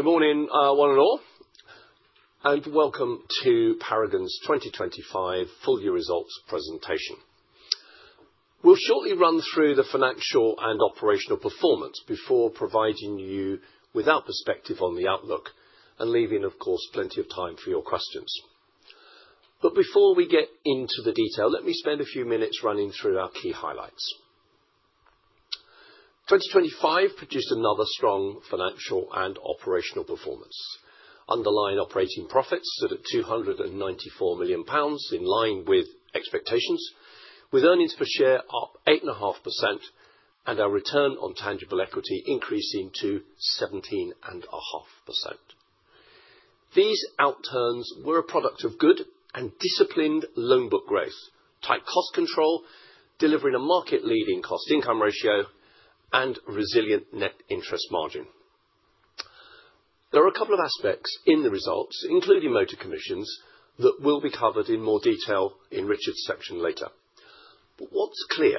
Morning, one and all, and welcome to Paragon's 2025 full-year results presentation. We'll shortly run through the financial and operational performance before providing you with our perspective on the outlook and leaving, of course, plenty of time for your questions. But before we get into the detail, let me spend a few minutes running through our key highlights. 2025 produced another strong financial and operational performance. Underlying operating profits stood at 294 million pounds, in line with expectations, with earnings per share up 8.5% and our return on tangible equity increasing to 17.5%. These outturns were a product of good and disciplined loan book growth, tight cost control, delivering a market-leading cost-to-income ratio, and resilient net interest margin. There are a couple of aspects in the results, including motor commissions, that will be covered in more detail in Richard's section later. But what's clear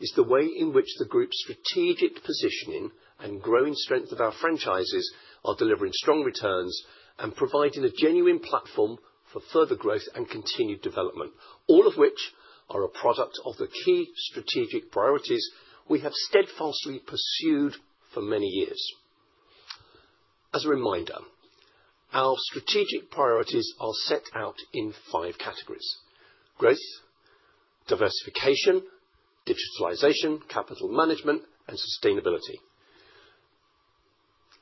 is the way in which the group's strategic positioning and growing strength of our franchises are delivering strong returns and providing a genuine platform for further growth and continued development, all of which are a product of the key strategic priorities we have steadfastly pursued for many years. As a reminder, our strategic priorities are set out in five categories: growth, diversification, digitalization, capital management, and sustainability.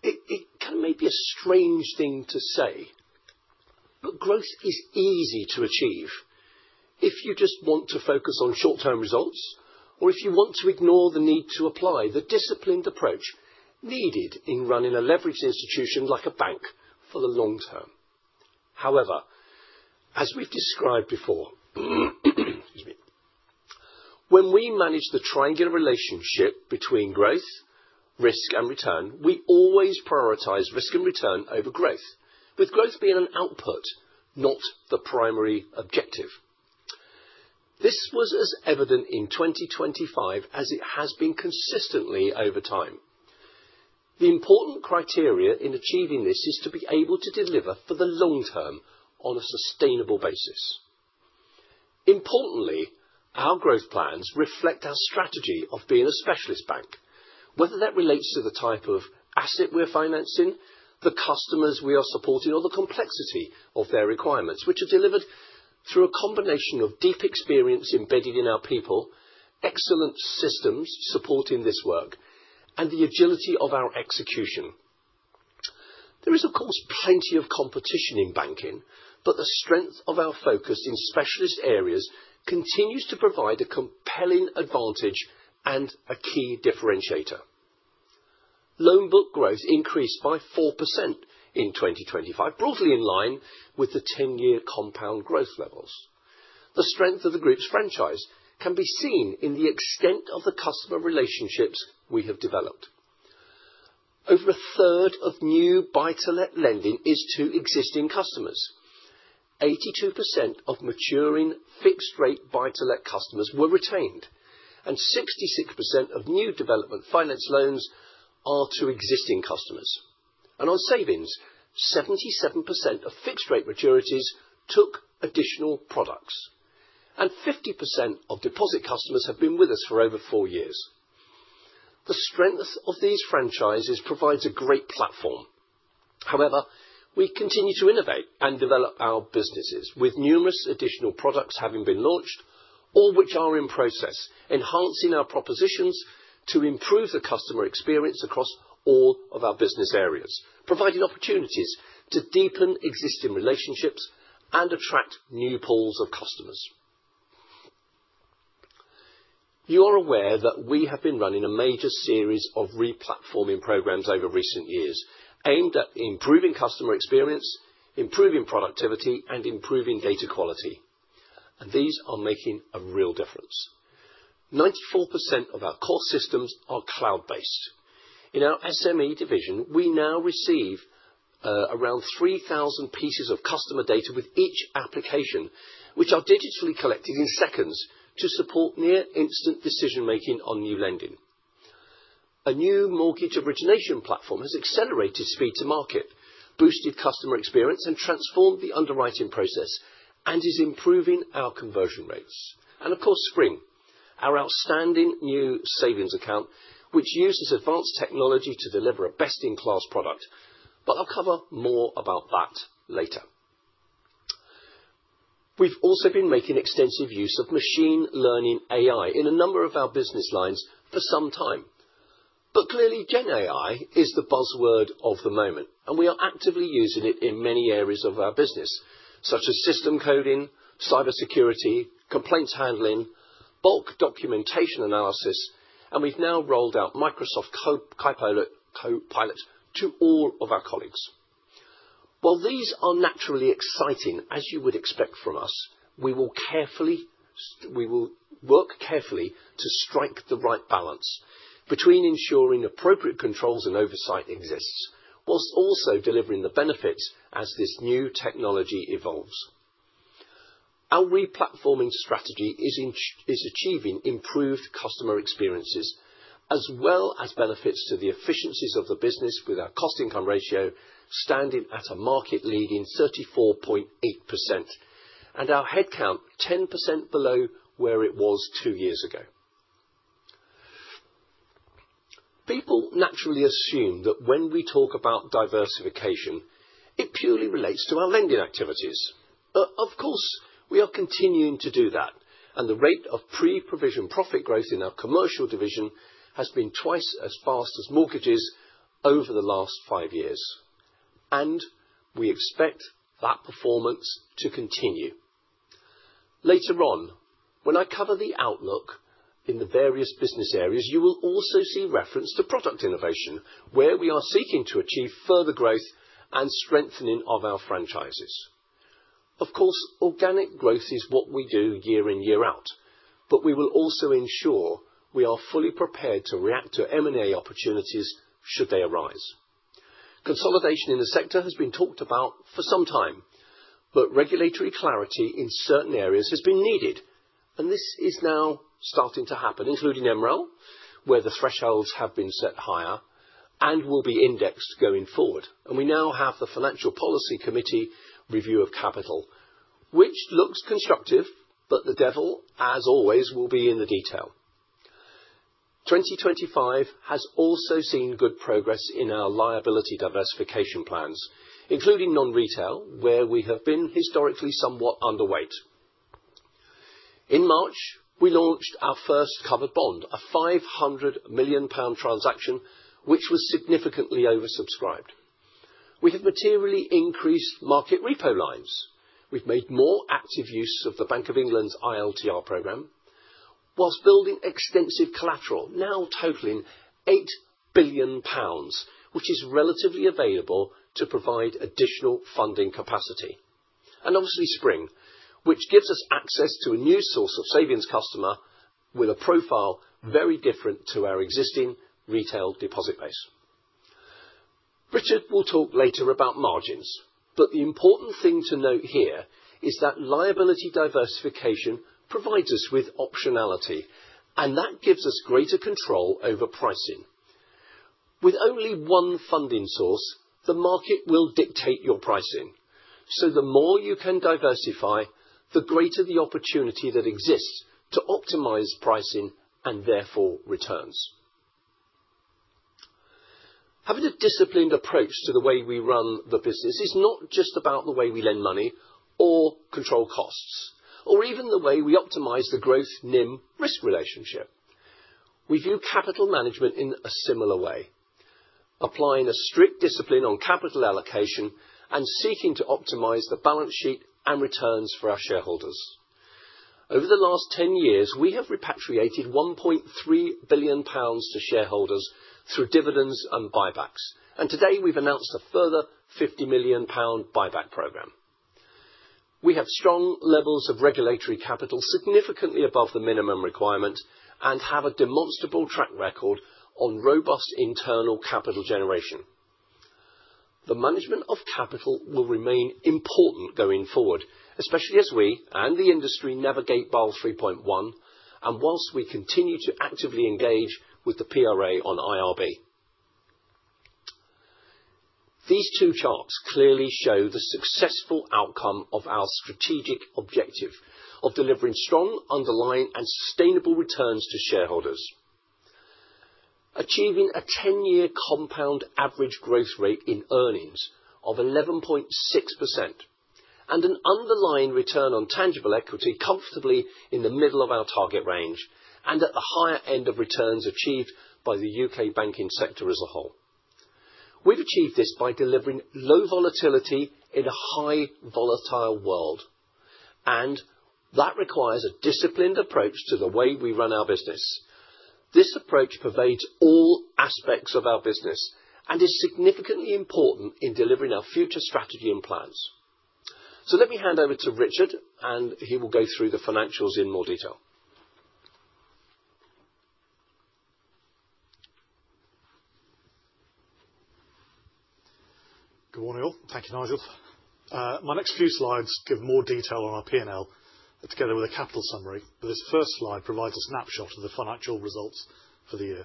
It can maybe be a strange thing to say, but growth is easy to achieve if you just want to focus on short-term results or if you want to ignore the need to apply the disciplined approach needed in running a leveraged institution like a bank for the long term. However, as we've described before, excuse me, when we manage the triangular relationship between growth, risk, and return, we always prioritize risk and return over growth, with growth being an output, not the primary objective. This was as evident in 2025 as it has been consistently over time. The important criteria in achieving this is to be able to deliver for the long term on a sustainable basis. Importantly, our growth plans reflect our strategy of being a specialist bank, whether that relates to the type of asset we're financing, the customers we are supporting, or the complexity of their requirements, which are delivered through a combination of deep experience embedded in our people, excellent systems supporting this work, and the agility of our execution. There is, of course, plenty of competition in banking, but the strength of our focus in specialist areas continues to provide a compelling advantage and a key differentiator. Loan book growth increased by 4% in 2025, broadly in line with the 10-year compound growth levels. The strength of the group's franchise can be seen in the extent of the customer relationships we have developed. Over a third of new buy-to-let lending is to existing customers. 82% of maturing fixed-rate buy-to-let customers were retained, and 66% of new development finance loans are to existing customers. And on savings, 77% of fixed-rate maturities took additional products, and 50% of deposit customers have been with us for over four years. The strength of these franchises provides a great platform. However, we continue to innovate and develop our businesses, with numerous additional products having been launched, all of which are in process, enhancing our propositions to improve the customer experience across all of our business areas, providing opportunities to deepen existing relationships and attract new pools of customers. You are aware that we have been running a major series of re-platforming programs over recent years aimed at improving customer experience, improving productivity, and improving data quality, and these are making a real difference. 94% of our core systems are cloud-based. In our SME division, we now receive around 3,000 pieces of customer data with each application, which are digitally collected in seconds to support near-instant decision-making on new lending. A new mortgage origination platform has accelerated speed to market, boosted customer experience, and transformed the underwriting process, and is improving our conversion rates. Of course, Spring, our outstanding new savings account, which uses advanced technology to deliver a best-in-class product, but I'll cover more about that later. We've also been making extensive use of machine learning AI in a number of our business lines for some time. Clearly, Gen AI is the buzzword of the moment, and we are actively using it in many areas of our business, such as system coding, cybersecurity, complaints handling, bulk documentation analysis, and we've now rolled out Microsoft Copilot to all of our colleagues. While these are naturally exciting, as you would expect from us, we will work carefully to strike the right balance between ensuring appropriate controls and oversight exist, while also delivering the benefits as this new technology evolves. Our re-platforming strategy is achieving improved customer experiences as well as benefits to the efficiencies of the business with our cost-to-income ratio standing at a market-leading 34.8% and our headcount 10% below where it was two years ago. People naturally assume that when we talk about diversification, it purely relates to our lending activities, but of course, we are continuing to do that, and the rate of pre-provision profit growth in our commercial division has been twice as fast as mortgages over the last five years, and we expect that performance to continue. Later on, when I cover the outlook in the various business areas, you will also see reference to product innovation, where we are seeking to achieve further growth and strengthening of our franchises. Of course, organic growth is what we do year in, year out, but we will also ensure we are fully prepared to react to M&A opportunities should they arise. Consolidation in the sector has been talked about for some time, but regulatory clarity in certain areas has been needed, and this is now starting to happen, including Emerel, where the thresholds have been set higher and will be indexed going forward, and we now have the Financial Policy Committee review of capital, which looks constructive, but the devil, as always, will be in the detail. 2025 has also seen good progress in our liability diversification plans, including non-retail, where we have been historically somewhat underweight. In March, we launched our first covered bond, a 500 million pound transaction, which was significantly oversubscribed. We have materially increased market repo lines. We've made more active use of the Bank of England's ILTR program, while building extensive collateral, now totaling £8 billion, which is relatively available to provide additional funding capacity. And obviously, Spring, which gives us access to a new source of savings customer with a profile very different to our existing retail deposit base. Richard will talk later about margins, but the important thing to note here is that liability diversification provides us with optionality, and that gives us greater control over pricing. With only one funding source, the market will dictate your pricing, so the more you can diversify, the greater the opportunity that exists to optimize pricing and therefore returns. Having a disciplined approach to the way we run the business is not just about the way we lend money or control costs or even the way we optimize the growth/NIM risk relationship. We view capital management in a similar way, applying a strict discipline on capital allocation and seeking to optimize the balance sheet and returns for our shareholders. Over the last 10 years, we have repatriated 1.3 billion pounds to shareholders through dividends and buybacks, and today we've announced a further 50 million pound buyback program. We have strong levels of regulatory capital, significantly above the minimum requirement, and have a demonstrable track record on robust internal capital generation. The management of capital will remain important going forward, especially as we and the industry navigate Basel 3.1 and whilst we continue to actively engage with the PRA on IRB. These two charts clearly show the successful outcome of our strategic objective of delivering strong underlying and sustainable returns to shareholders, achieving a 10-year compound average growth rate in earnings of 11.6% and an underlying return on tangible equity comfortably in the middle of our target range and at the higher end of returns achieved by the U.K. banking sector as a whole. We've achieved this by delivering low volatility in a highly volatile world, and that requires a disciplined approach to the way we run our business. This approach pervades all aspects of our business and is significantly important in delivering our future strategy and plans. So let me hand over to Richard, and he will go through the financials in more detail. Good morning, all. Thank you, Nigel. My next few slides give more detail on our P&L together with a capital summary, but this first slide provides a snapshot of the financial results for the year.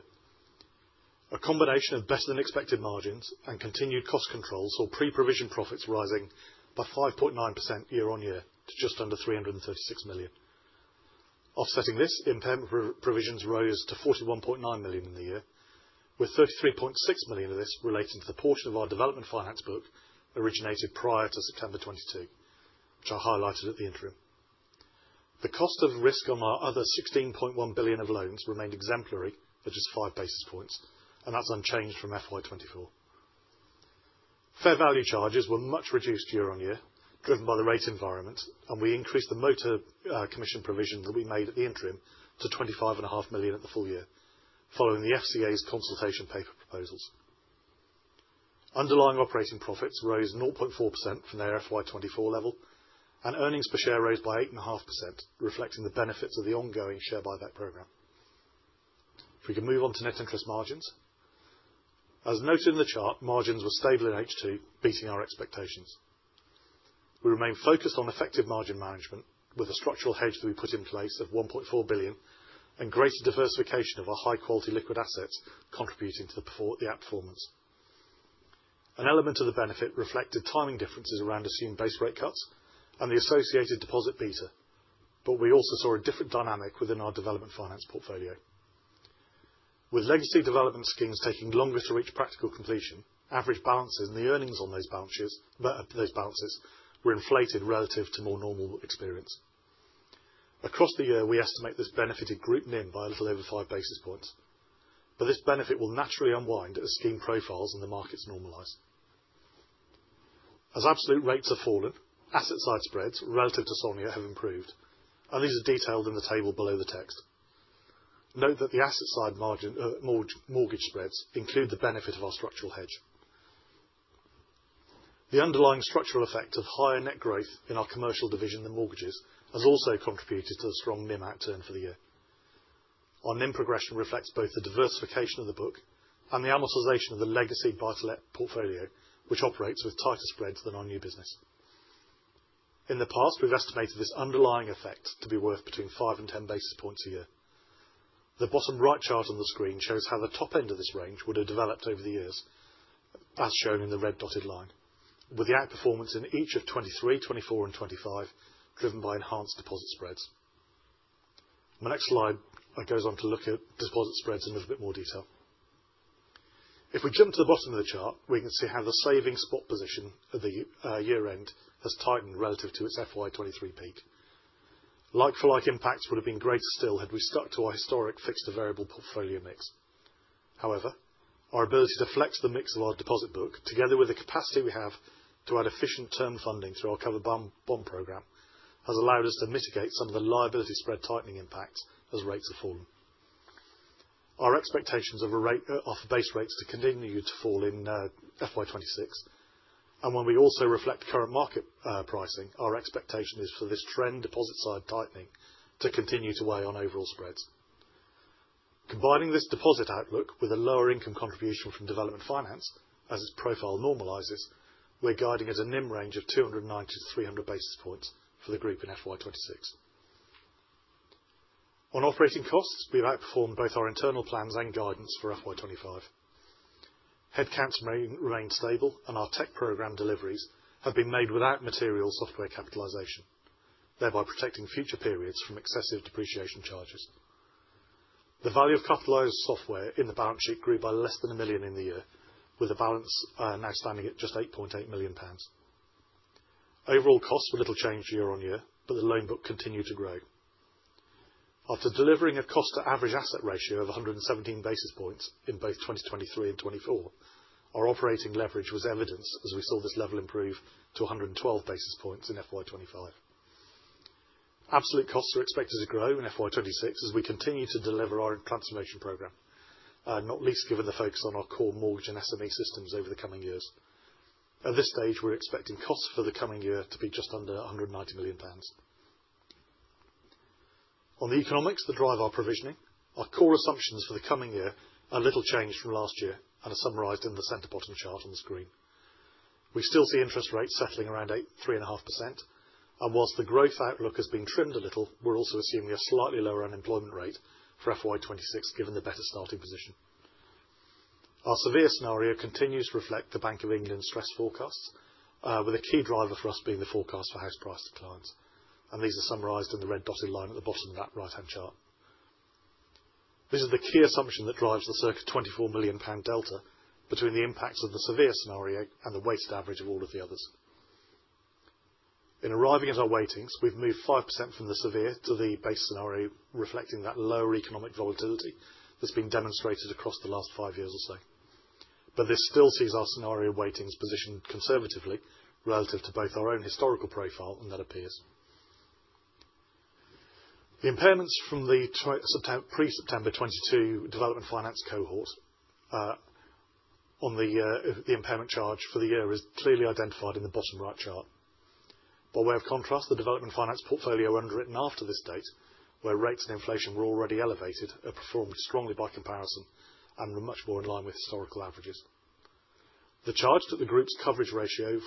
A combination of better-than-expected margins and continued cost controls saw pre-provision profits rising by 5.9% year on year to just under 336 million. Offsetting this, impairment provisions rose to 41.9 million in the year, with 33.6 million of this relating to the portion of our development finance book originated prior to September 2022, which I highlighted at the interim. The cost of risk on our other 16.1 billion of loans remained exemplary for just five basis points, and that's unchanged from FY24. Fair value charges were much reduced year on year, driven by the rate environment, and we increased the motor commission provision that we made at the interim to 25.5 million at the full year, following the FCA's consultation paper proposals. Underlying operating profits rose 0.4% from their FY24 level, and earnings per share rose by 8.5%, reflecting the benefits of the ongoing share buyback program. If we can move on to net interest margins. As noted in the chart, margins were stable in H2, beating our expectations. We remained focused on effective margin management with a structural hedge that we put in place of 1.4 billion and greater diversification of our high-quality liquid assets contributing to the performance. An element of the benefit reflected timing differences around assumed base rate cuts and the associated deposit beta, but we also saw a different dynamic within our development finance portfolio. With legacy development schemes taking longer to reach practical completion, average balances and the earnings on those balances were inflated relative to more normal experience. Across the year, we estimate this benefited Group NIM by a little over five basis points, but this benefit will naturally unwind as scheme profiles and the markets normalize. As absolute rates have fallen, asset-side spreads relative to Sonia have improved, and these are detailed in the table below the text. Note that the asset-side margin mortgage spreads include the benefit of our structural hedge. The underlying structural effect of higher net growth in our commercial division than mortgages has also contributed to the strong NIM outturn for the year. Our NIM progression reflects both the diversification of the book and the amortization of the legacy buy-to-let portfolio, which operates with tighter spreads than our new business. In the past, we've estimated this underlying effect to be worth between 5 and 10 basis points a year. The bottom right chart on the screen shows how the top end of this range would have developed over the years, as shown in the red dotted line, with the outperformance in each of 2023, 2024, and 2025, driven by enhanced deposit spreads. My next slide goes on to look at deposit spreads in a little bit more detail. If we jump to the bottom of the chart, we can see how the savings spot position at the year-end has tightened relative to its FY 2023 peak. Like-for-like impacts would have been greater still had we stuck to our historic fixed-to-variable portfolio mix. However, our ability to flex the mix of our deposit book, together with the capacity we have to add efficient term funding through our covered bond program, has allowed us to mitigate some of the liability spread tightening impacts as rates have fallen. Our expectations of our base rates to continue to fall in FY26, and when we also reflect current market pricing, our expectation is for this trend deposit-side tightening to continue to weigh on overall spreads. Combining this deposit outlook with a lower income contribution from development finance as its profile normalizes, we're guiding at a NIM range of 290-300 basis points for the group in FY26. On operating costs, we've outperformed both our internal plans and guidance for FY25. Headcounts remained stable, and our tech program deliveries have been made without material software capitalization, thereby protecting future periods from excessive depreciation charges. The value of capitalized software in the balance sheet grew by less than a million in the year, with the balance now standing at just 8.8 million pounds. Overall costs were little changed year on year, but the loan book continued to grow. After delivering a cost-to-average asset ratio of 117 basis points in both 2023 and 2024, our operating leverage was evidenced as we saw this level improve to 112 basis points in FY25. Absolute costs are expected to grow in FY26 as we continue to deliver our implementation program, not least given the focus on our core mortgage and SME systems over the coming years. At this stage, we're expecting costs for the coming year to be just under 190 million pounds. On the economics that drive our provisioning, our core assumptions for the coming year are little changed from last year and are summarized in the center bottom chart on the screen. We still see interest rates settling around 3.5%, and whilst the growth outlook has been trimmed a little, we're also assuming a slightly lower unemployment rate for FY26 given the better starting position. Our severe scenario continues to reflect the Bank of England's stress forecasts, with a key driver for us being the forecast for house price declines, and these are summarized in the red dotted line at the bottom of that right-hand chart. This is the key assumption that drives the circa 24 million pound delta between the impacts of the severe scenario and the weighted average of all of the others. In arriving at our weightings, we've moved 5% from the severe to the base scenario, reflecting that lower economic volatility that's been demonstrated across the last five years or so. But this still sees our scenario weightings positioned conservatively relative to both our own historical profile and that of peers. The impairments from the pre-September 2022 development finance cohort on the impairment charge for the year are clearly identified in the bottom right chart. By way of contrast, the development finance portfolio underwritten after this date, where rates and inflation were already elevated, have performed strongly by comparison and were much more in line with historical averages. The charge took the group's coverage ratio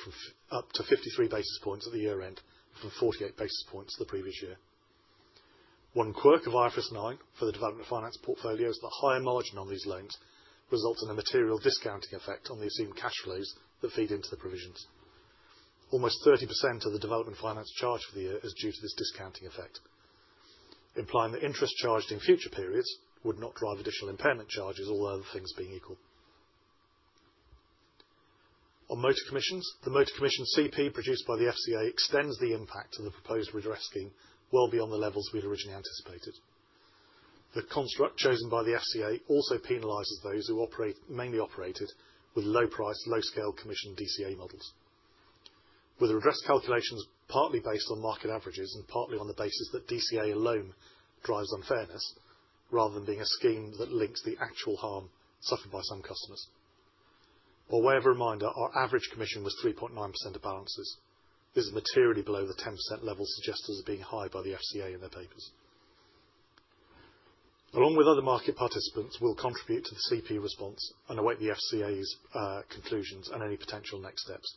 up to 53 basis points at the year-end from 48 basis points the previous year. One quirk of IFRS 9 for the development finance portfolio is that higher margin on these loans results in a material discounting effect on the assumed cash flows that feed into the provisions. Almost 30% of the development finance charge for the year is due to this discounting effect, implying that interest charged in future periods would not drive additional impairment charges, all other things being equal. On motor commissions, the motor commission CP produced by the FCA extends the impact of the proposed redress scheme well beyond the levels we'd originally anticipated. The construct chosen by the FCA also penalizes those who mainly operated with low-price, low-scale commission DCA models, with the redress calculations partly based on market averages and partly on the basis that DCA alone drives unfairness rather than being a scheme that links the actual harm suffered by some customers. By way of a reminder, our average commission was 3.9% of balances. This is materially below the 10% level suggested as being high by the FCA in their papers. Along with other market participants, we'll contribute to the CP response and await the FCA's conclusions and any potential next steps.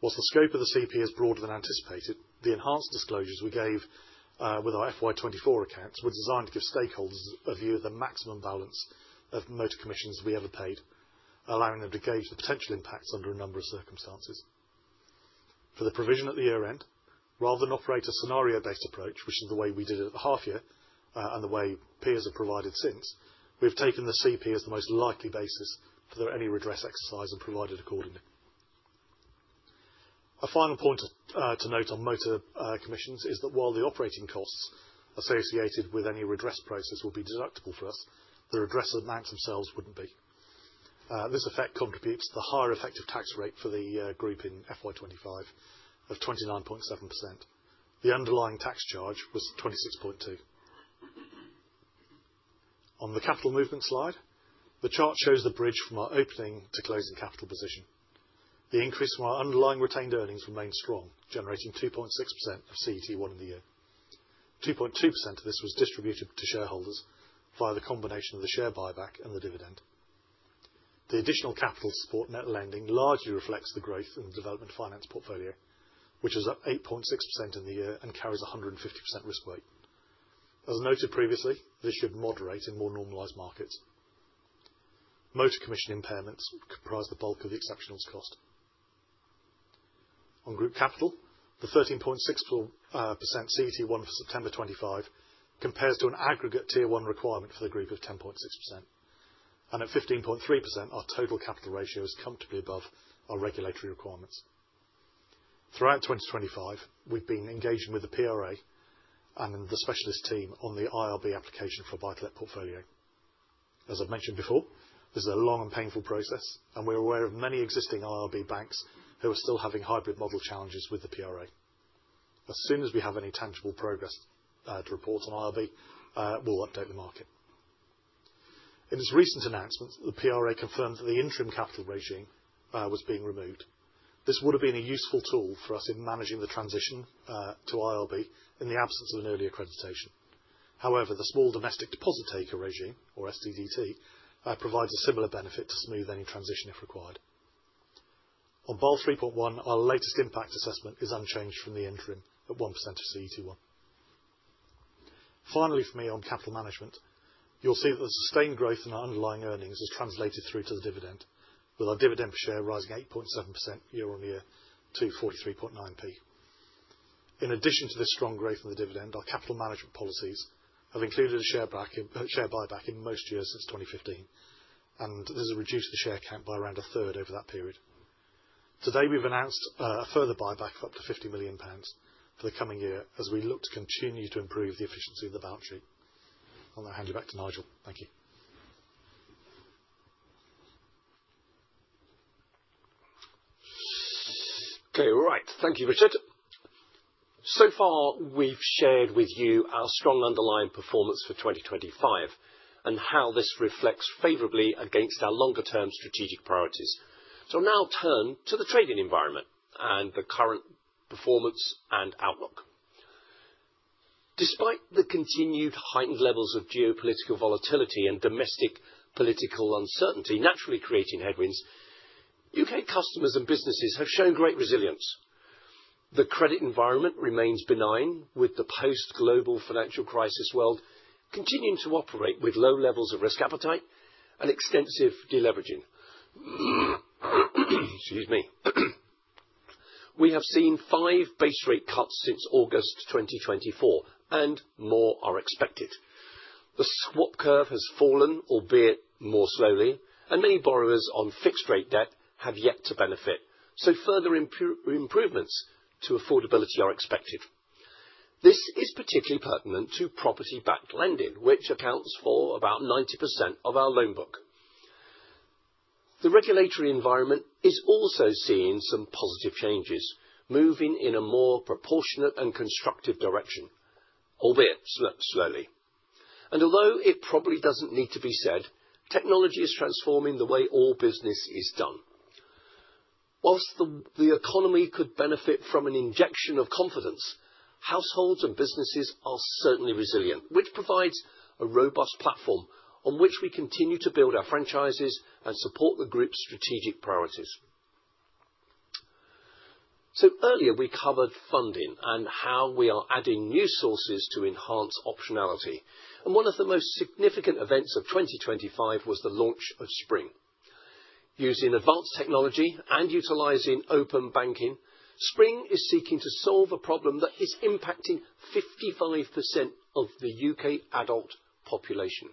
Whilst the scope of the CP is broader than anticipated, the enhanced disclosures we gave with our FY24 accounts were designed to give stakeholders a view of the maximum balance of motor commissions we ever paid, allowing them to gauge the potential impacts under a number of circumstances. For the provision at the year-end, rather than operate a scenario-based approach, which is the way we did at the half-year and the way peers have provided since, we've taken the CP as the most likely basis for any redress exercise and provided accordingly. A final point to note on motor commissions is that while the operating costs associated with any redress process will be deductible for us, the redress amounts themselves wouldn't be. This effect contributes to the higher effective tax rate for the group in FY25 of 29.7%. The underlying tax charge was 26.2%. On the capital movement slide, the chart shows the bridge from our opening to closing capital position. The increase from our underlying retained earnings remained strong, generating 2.6% of CET1 in the year. 2.2% of this was distributed to shareholders via the combination of the share buyback and the dividend. The additional capital support net lending largely reflects the growth in the development finance portfolio, which is up 8.6% in the year and carries a 150% risk weight. As noted previously, this should moderate in more normalized markets. Motor commission impairments comprise the bulk of the exceptional cost. On group capital, the 13.6% CET1 for September 2025 compares to an aggregate Tier 1 requirement for the group of 10.6%, and at 15.3%, our total capital ratio is comfortably above our regulatory requirements. Throughout 2025, we've been engaging with the PRA and the specialist team on the IRB application for a buy-to-let portfolio. As I've mentioned before, this is a long and painful process, and we're aware of many existing IRB banks who are still having hybrid model challenges with the PRA. As soon as we have any tangible progress to report on IRB, we'll update the market. In its recent announcements, the PRA confirmed that the interim capital regime was being removed. This would have been a useful tool for us in managing the transition to IRB in the absence of an early accreditation. However, the small domestic deposit taker regime, or SDDT, provides a similar benefit to smooth any transition if required. On Basel 3.1, our latest impact assessment is unchanged from the interim at 1% of CET1. Finally, for me on capital management, you'll see that the sustained growth in our underlying earnings has translated through to the dividend, with our dividend per share rising 8.7% year on year to 43.9p. In addition to this strong growth in the dividend, our capital management policies have included a share buyback in most years since 2015, and this has reduced the share count by around a third over that period. Today, we've announced a further buyback of up to £50 million for the coming year as we look to continue to improve the efficiency of the balance sheet. I'll now hand you back to Nigel. Thank you. Okay, right. Thank you, Richard. So far, we've shared with you our strong underlying performance for 2025 and how this reflects favorably against our longer-term strategic priorities. So I'll now turn to the trading environment and the current performance and outlook. Despite the continued heightened levels of geopolitical volatility and domestic political uncertainty naturally creating headwinds, U.K. customers and businesses have shown great resilience. The credit environment remains benign, with the post-global financial crisis world continuing to operate with low levels of risk appetite and extensive deleveraging. Excuse me. We have seen five base rate cuts since August 2024, and more are expected. The swap curve has fallen, albeit more slowly, and many borrowers on fixed-rate debt have yet to benefit. So further improvements to affordability are expected. This is particularly pertinent to property-backed lending, which accounts for about 90% of our loan book. The regulatory environment is also seeing some positive changes, moving in a more proportionate and constructive direction, albeit slowly, and although it probably doesn't need to be said, technology is transforming the way all business is done. While the economy could benefit from an injection of confidence, households and businesses are certainly resilient, which provides a robust platform on which we continue to build our franchises and support the group's strategic priorities, so earlier, we covered funding and how we are adding new sources to enhance optionality, and one of the most significant events of 2025 was the launch of Spring. Using advanced technology and utilizing open banking, Spring is seeking to solve a problem that is impacting 55% of the U.K. adult population,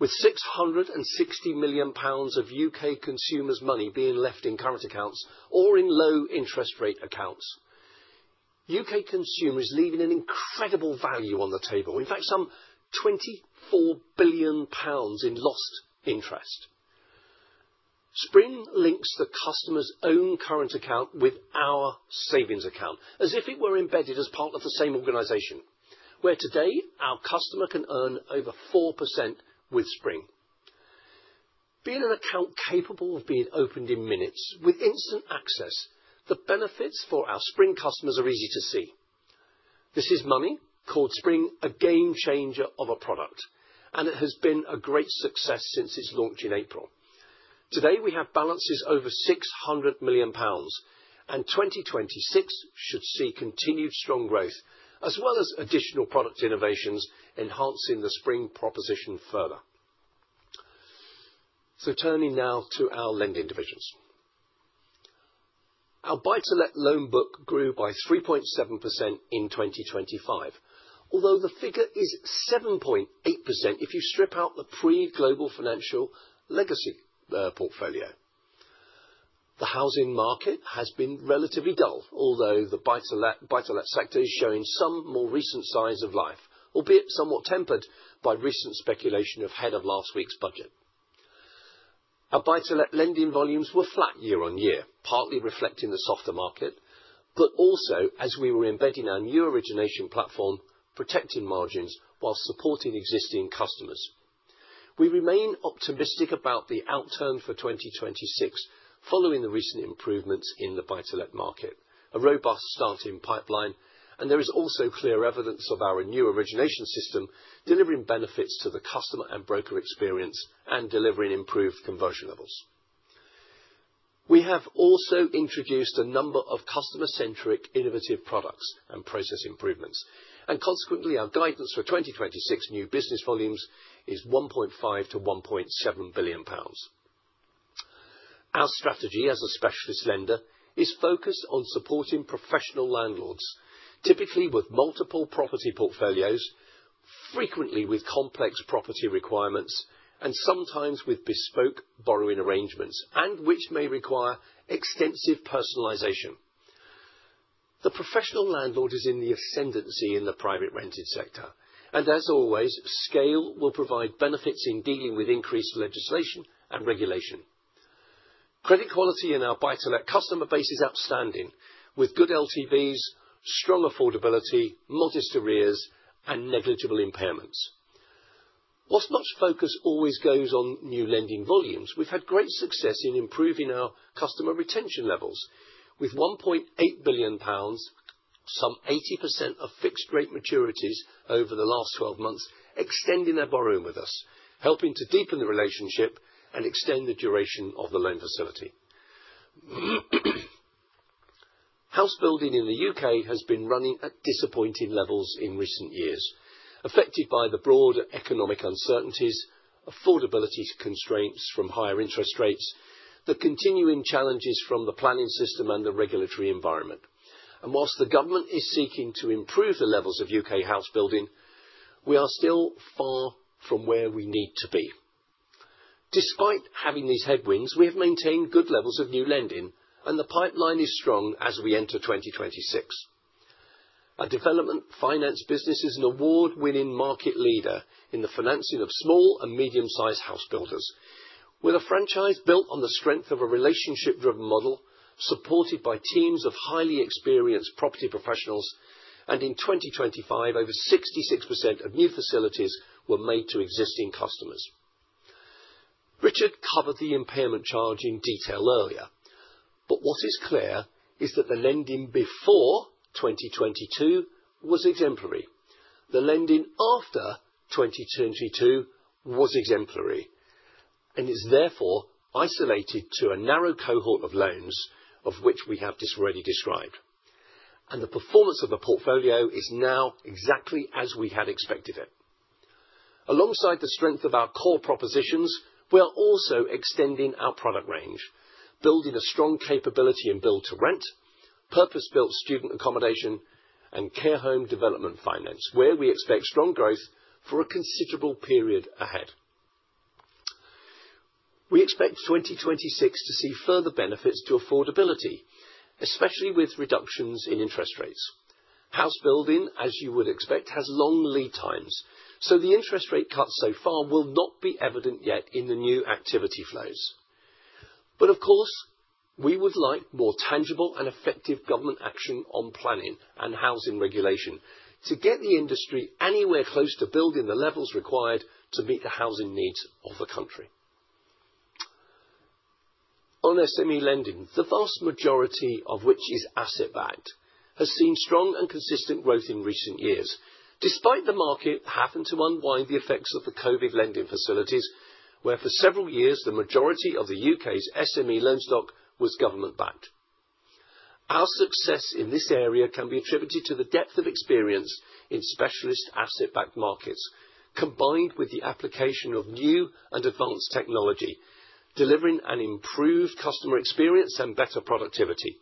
with 660 million pounds of U.K. consumers' money being left in current accounts or in low-interest rate accounts. UK consumers are leaving an incredible value on the table, in fact, some 24 billion pounds in lost interest. Spring links the customer's own current account with our savings account as if it were embedded as part of the same organization, where today our customer can earn over 4% with Spring. Being an account capable of being opened in minutes with instant access, the benefits for our Spring customers are easy to see. This is money called Spring, a game changer of a product, and it has been a great success since its launch in April. Today, we have balances over 600 million pounds, and 2026 should see continued strong growth as well as additional product innovations enhancing the Spring proposition further, so turning now to our lending divisions. Our buy-to-let loan book grew by 3.7% in 2025, although the figure is 7.8% if you strip out the pre-global financial legacy portfolio. The housing market has been relatively dull, although the buy-to-let sector is showing some more recent signs of life, albeit somewhat tempered by recent speculation ahead of last week's budget. Our buy-to-let lending volumes were flat year on year, partly reflecting the softer market, but also as we were embedding our new origination platform, protecting margins while supporting existing customers. We remain optimistic about the outcome for 2026 following the recent improvements in the buy-to-let market, a robust starting pipeline, and there is also clear evidence of our new origination system delivering benefits to the customer and broker experience and delivering improved conversion levels. We have also introduced a number of customer-centric innovative products and process improvements, and consequently, our guidance for 2026 new business volumes is £1.5-£1.7 billion. Our strategy as a specialist lender is focused on supporting professional landlords, typically with multiple property portfolios, frequently with complex property requirements, and sometimes with bespoke borrowing arrangements which may require extensive personalization. The professional landlord is in the ascendancy in the private rented sector, and as always, scale will provide benefits in dealing with increased legislation and regulation. Credit quality in our buy-to-let customer base is outstanding, with good LTVs, strong affordability, modest arrears, and negligible impairments. While much focus always goes on new lending volumes, we've had great success in improving our customer retention levels with 1.8 billion pounds, some 80% of fixed-rate maturities over the last 12 months extending their borrowing with us, helping to deepen the relationship and extend the duration of the loan facility. House building in the U.K. has been running at disappointing levels in recent years, affected by the broader economic uncertainties, affordability constraints from higher interest rates, the continuing challenges from the planning system, and the regulatory environment, and whilst the government is seeking to improve the levels of U.K. house building, we are still far from where we need to be. Despite having these headwinds, we have maintained good levels of new lending, and the pipeline is strong as we enter 2026. Our development finance business is an award-winning market leader in the financing of small and medium-sized house builders. With a franchise built on the strength of a relationship-driven model supported by teams of highly experienced property professionals, and in 2025, over 66% of new facilities were made to existing customers. Richard covered the impairment charge in detail earlier, but what is clear is that the lending before 2022 was exemplary. The lending after 2022 was exemplary, and is therefore isolated to a narrow cohort of loans which we have already described, and the performance of the portfolio is now exactly as we had expected it. Alongside the strength of our core propositions, we are also extending our product range, building a strong capability in build-to-rent, purpose-built student accommodation, and care home development finance, where we expect strong growth for a considerable period ahead. We expect 2026 to see further benefits to affordability, especially with reductions in interest rates. House building, as you would expect, has long lead times, so the interest rate cuts so far will not be evident yet in the new activity flows. But of course, we would like more tangible and effective government action on planning and housing regulation to get the industry anywhere close to building the levels required to meet the housing needs of the country. On SME lending, the vast majority of which is asset-backed, has seen strong and consistent growth in recent years, despite the market having to unwind the effects of the COVID lending facilities, where for several years the majority of the UK's SME loan stock was government-backed. Our success in this area can be attributed to the depth of experience in specialist asset-backed markets, combined with the application of new and advanced technology, delivering an improved customer experience and better productivity.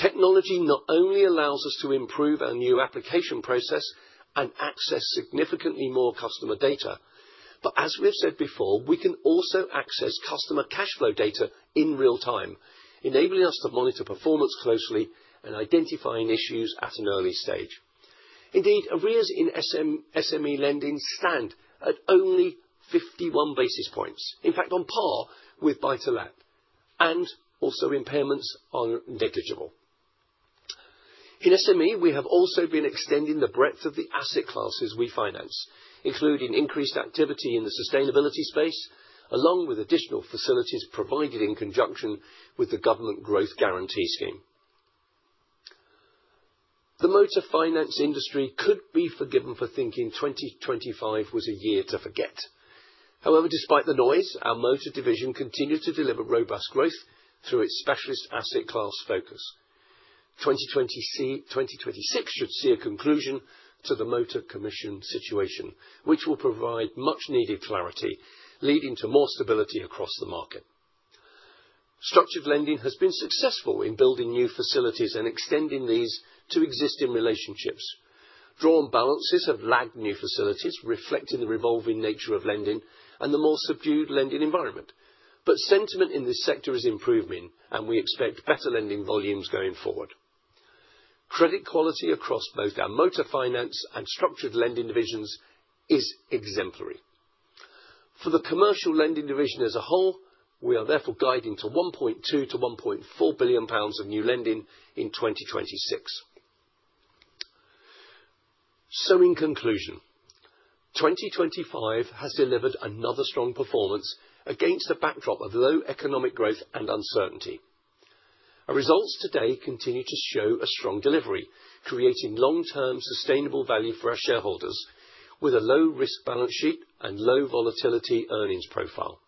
Technology not only allows us to improve our new application process and access significantly more customer data, but as we've said before, we can also access customer cash flow data in real time, enabling us to monitor performance closely and identifying issues at an early stage. Indeed, arrears in SME lending stand at only 51 basis points, in fact, on par with buy-to-let, and also impairments are negligible. In SME, we have also been extending the breadth of the asset classes we finance, including increased activity in the sustainability space, along with additional facilities provided in conjunction with the government growth guarantee scheme. The motor finance industry could be forgiven for thinking 2025 was a year to forget. However, despite the noise, our motor division continues to deliver robust growth through its specialist asset class focus. 2026 should see a conclusion to the motor commission situation, which will provide much-needed clarity, leading to more stability across the market. Structured lending has been successful in building new facilities and extending these to existing relationships. Drawn balances have lagged new facilities, reflecting the revolving nature of lending and the more subdued lending environment. But sentiment in this sector is improving, and we expect better lending volumes going forward. Credit quality across both our motor finance and structured lending divisions is exemplary. For the commercial lending division as a whole, we are therefore guiding to 1.2 billion-1.4 billion pounds of new lending in 2026. So in conclusion, 2025 has delivered another strong performance against a backdrop of low economic growth and uncertainty. Our results today continue to show a strong delivery, creating long-term sustainable value for our shareholders with a low risk balance sheet and low volatility earnings profile.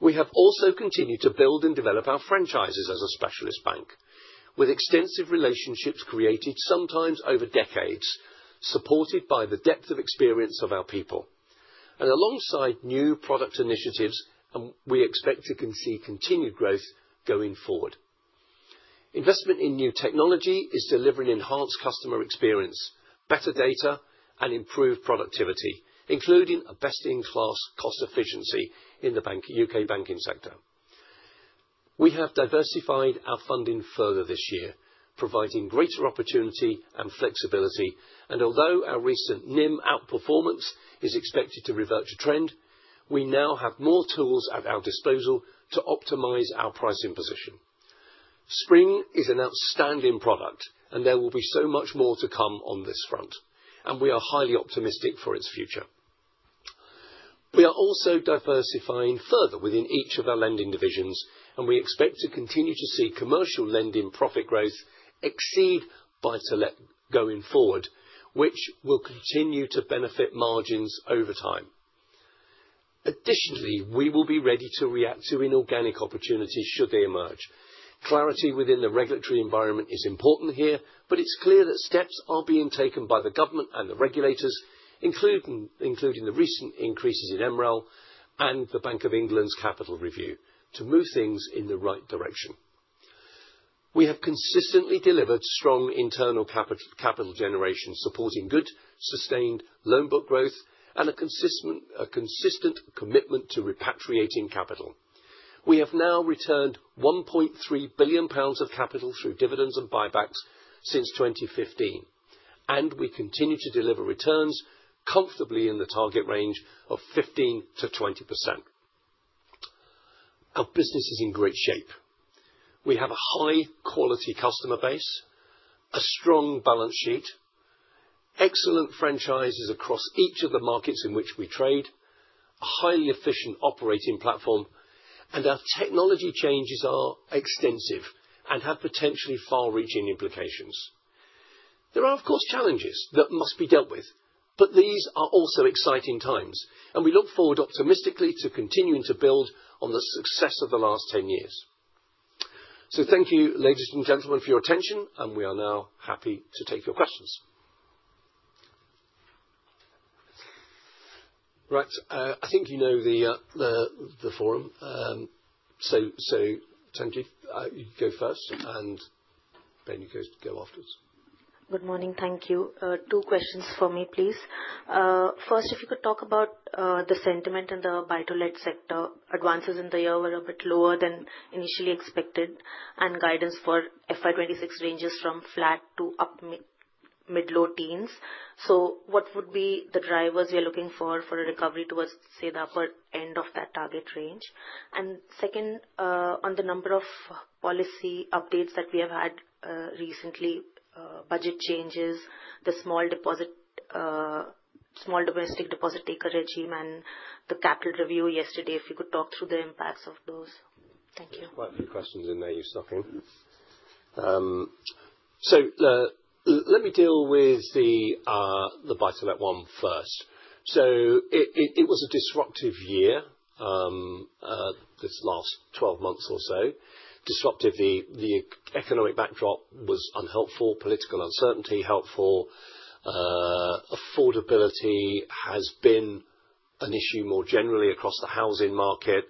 We have also continued to build and develop our franchises as a specialist bank, with extensive relationships created sometimes over decades, supported by the depth of experience of our people, and alongside new product initiatives, we expect to see continued growth going forward. Investment in new technology is delivering enhanced customer experience, better data, and improved productivity, including a best-in-class cost efficiency in the U.K. banking sector. We have diversified our funding further this year, providing greater opportunity and flexibility, and although our recent NIM outperformance is expected to revert to trend, we now have more tools at our disposal to optimize our pricing position. Spring is an outstanding product, and there will be so much more to come on this front, and we are highly optimistic for its future. We have a high-quality customer base, a strong balance sheet, excellent franchises across each of the markets in which we trade, a highly efficient operating platform, and our technology changes are extensive and have potentially far-reaching implications. There are, of course, challenges that must be dealt with, but these are also exciting times, and we look forward optimistically to continuing to build on the success of the last 10 years. So thank you, ladies and gentlemen, for your attention, and we are now happy to take your questions. Right, I think you know the format. So Thanji, you can go first, and Benny goes afterwards. Good morning, thank you. Two questions for me, please. First, if you could talk about the sentiment in the buy-to-let sector. Advances in the year were a bit lower than initially expected, and guidance for FY26 ranges from flat to mid-low teens. So what would be the drivers you're looking for for a recovery towards, say, the upper end of that target range? And second, on the number of policy updates that we have had recently, budget changes, the small domestic deposit taker regime, and the capital review yesterday, if you could talk through the impacts of those. Thank you. Quite a few questions in there. You're spot on. So let me deal with the buy-to-let one first. So it was a disruptive year this last 12 months or so. Disruptive, the economic backdrop was unhelpful, political uncertainty helpful. Affordability has been an issue more generally across the housing market,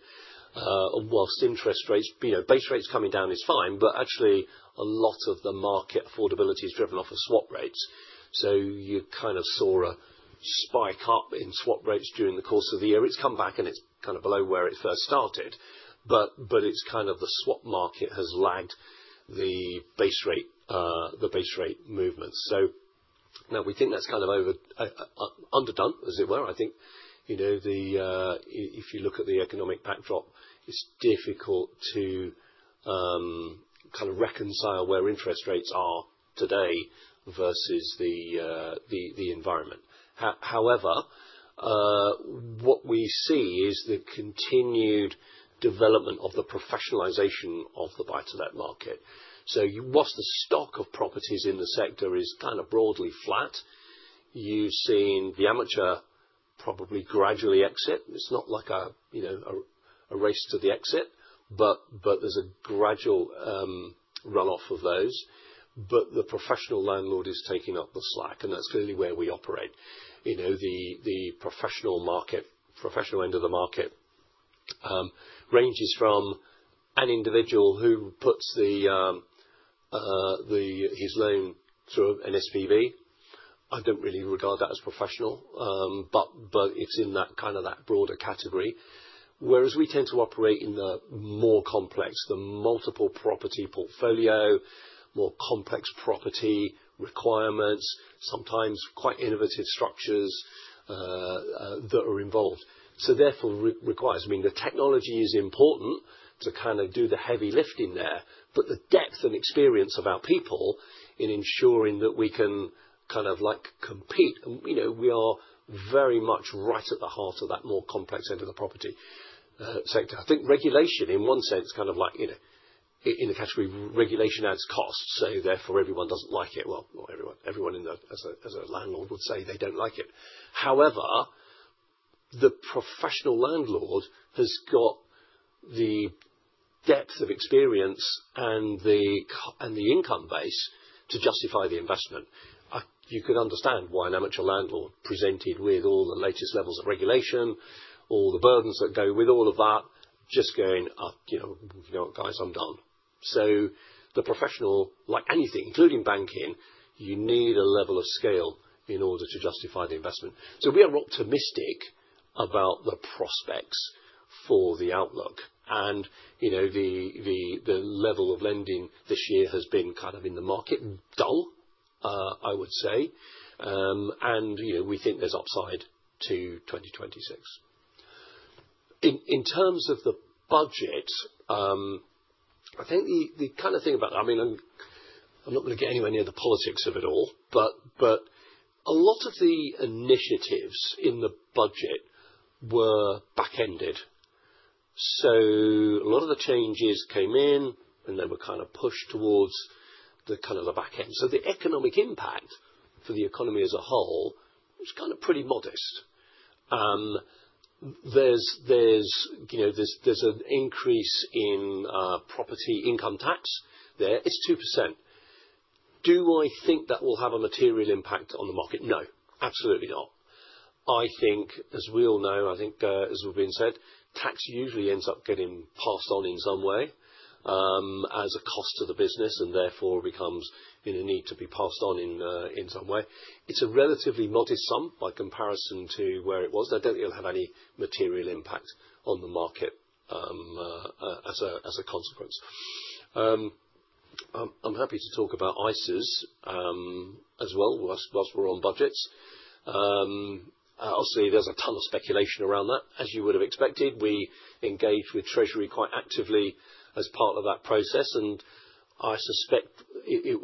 whilst interest rates, base rates coming down is fine, but actually a lot of the market affordability is driven off of swap rates. So you kind of saw a spike up in swap rates during the course of the year. It's come back, and it's kind of below where it first started, but it's kind of the swap market has lagged the base rate movement. So now we think that's kind of underdone, as it were. I think if you look at the economic backdrop, it's difficult to kind of reconcile where interest rates are today versus the environment. However, what we see is the continued development of the professionalization of the buy-to-let market. So whilst the stock of properties in the sector is kind of broadly flat, you've seen the amateur probably gradually exit. It's not like a race to the exit, but there's a gradual run-off of those. But the professional landlord is taking up the slack, and that's clearly where we operate. The professional end of the market ranges from an individual who puts his loan through an SPV. I don't really regard that as professional, but it's in kind of that broader category. Whereas we tend to operate in the more complex, the multiple property portfolio, more complex property requirements, sometimes quite innovative structures that are involved. So therefore requires, I mean, the technology is important to kind of do the heavy lifting there, but the depth and experience of our people in ensuring that we can kind of compete, we are very much right at the heart of that more complex end of the property sector. I think regulation, in one sense, kind of like in the category regulation adds costs, so therefore everyone doesn't like it. Well, not everyone. Everyone, as a landlord, would say they don't like it. However, the professional landlord has got the depth of experience and the income base to justify the investment. You could understand why an amateur landlord presented with all the latest levels of regulation, all the burdens that go with all of that, just going, "Guys, I'm done." So the professional, like anything, including banking, you need a level of scale in order to justify the investment. So we are optimistic about the prospects for the outlook. And the level of lending this year has been kind of in the market, dull, I would say, and we think there's upside to 2026. In terms of the budget, I think the kind of thing about that, I mean, I'm not going to get anywhere near the politics of it all, but a lot of the initiatives in the budget were back-ended. So a lot of the changes came in, and they were kind of pushed towards the kind of the back-end. The economic impact for the economy as a whole was kind of pretty modest. There's an increase in property income tax there. It's 2%. Do I think that will have a material impact on the market? No, absolutely not. I think, as we all know, as has been said, tax usually ends up getting passed on in some way as a cost to the business and therefore becomes in a need to be passed on in some way. It's a relatively modest sum by comparison to where it was. I don't think it'll have any material impact on the market as a consequence. I'm happy to talk about ISAs as well while we're on budgets. Obviously, there's a ton of speculation around that, as you would have expected. We engage with Treasury quite actively as part of that process, and I suspect it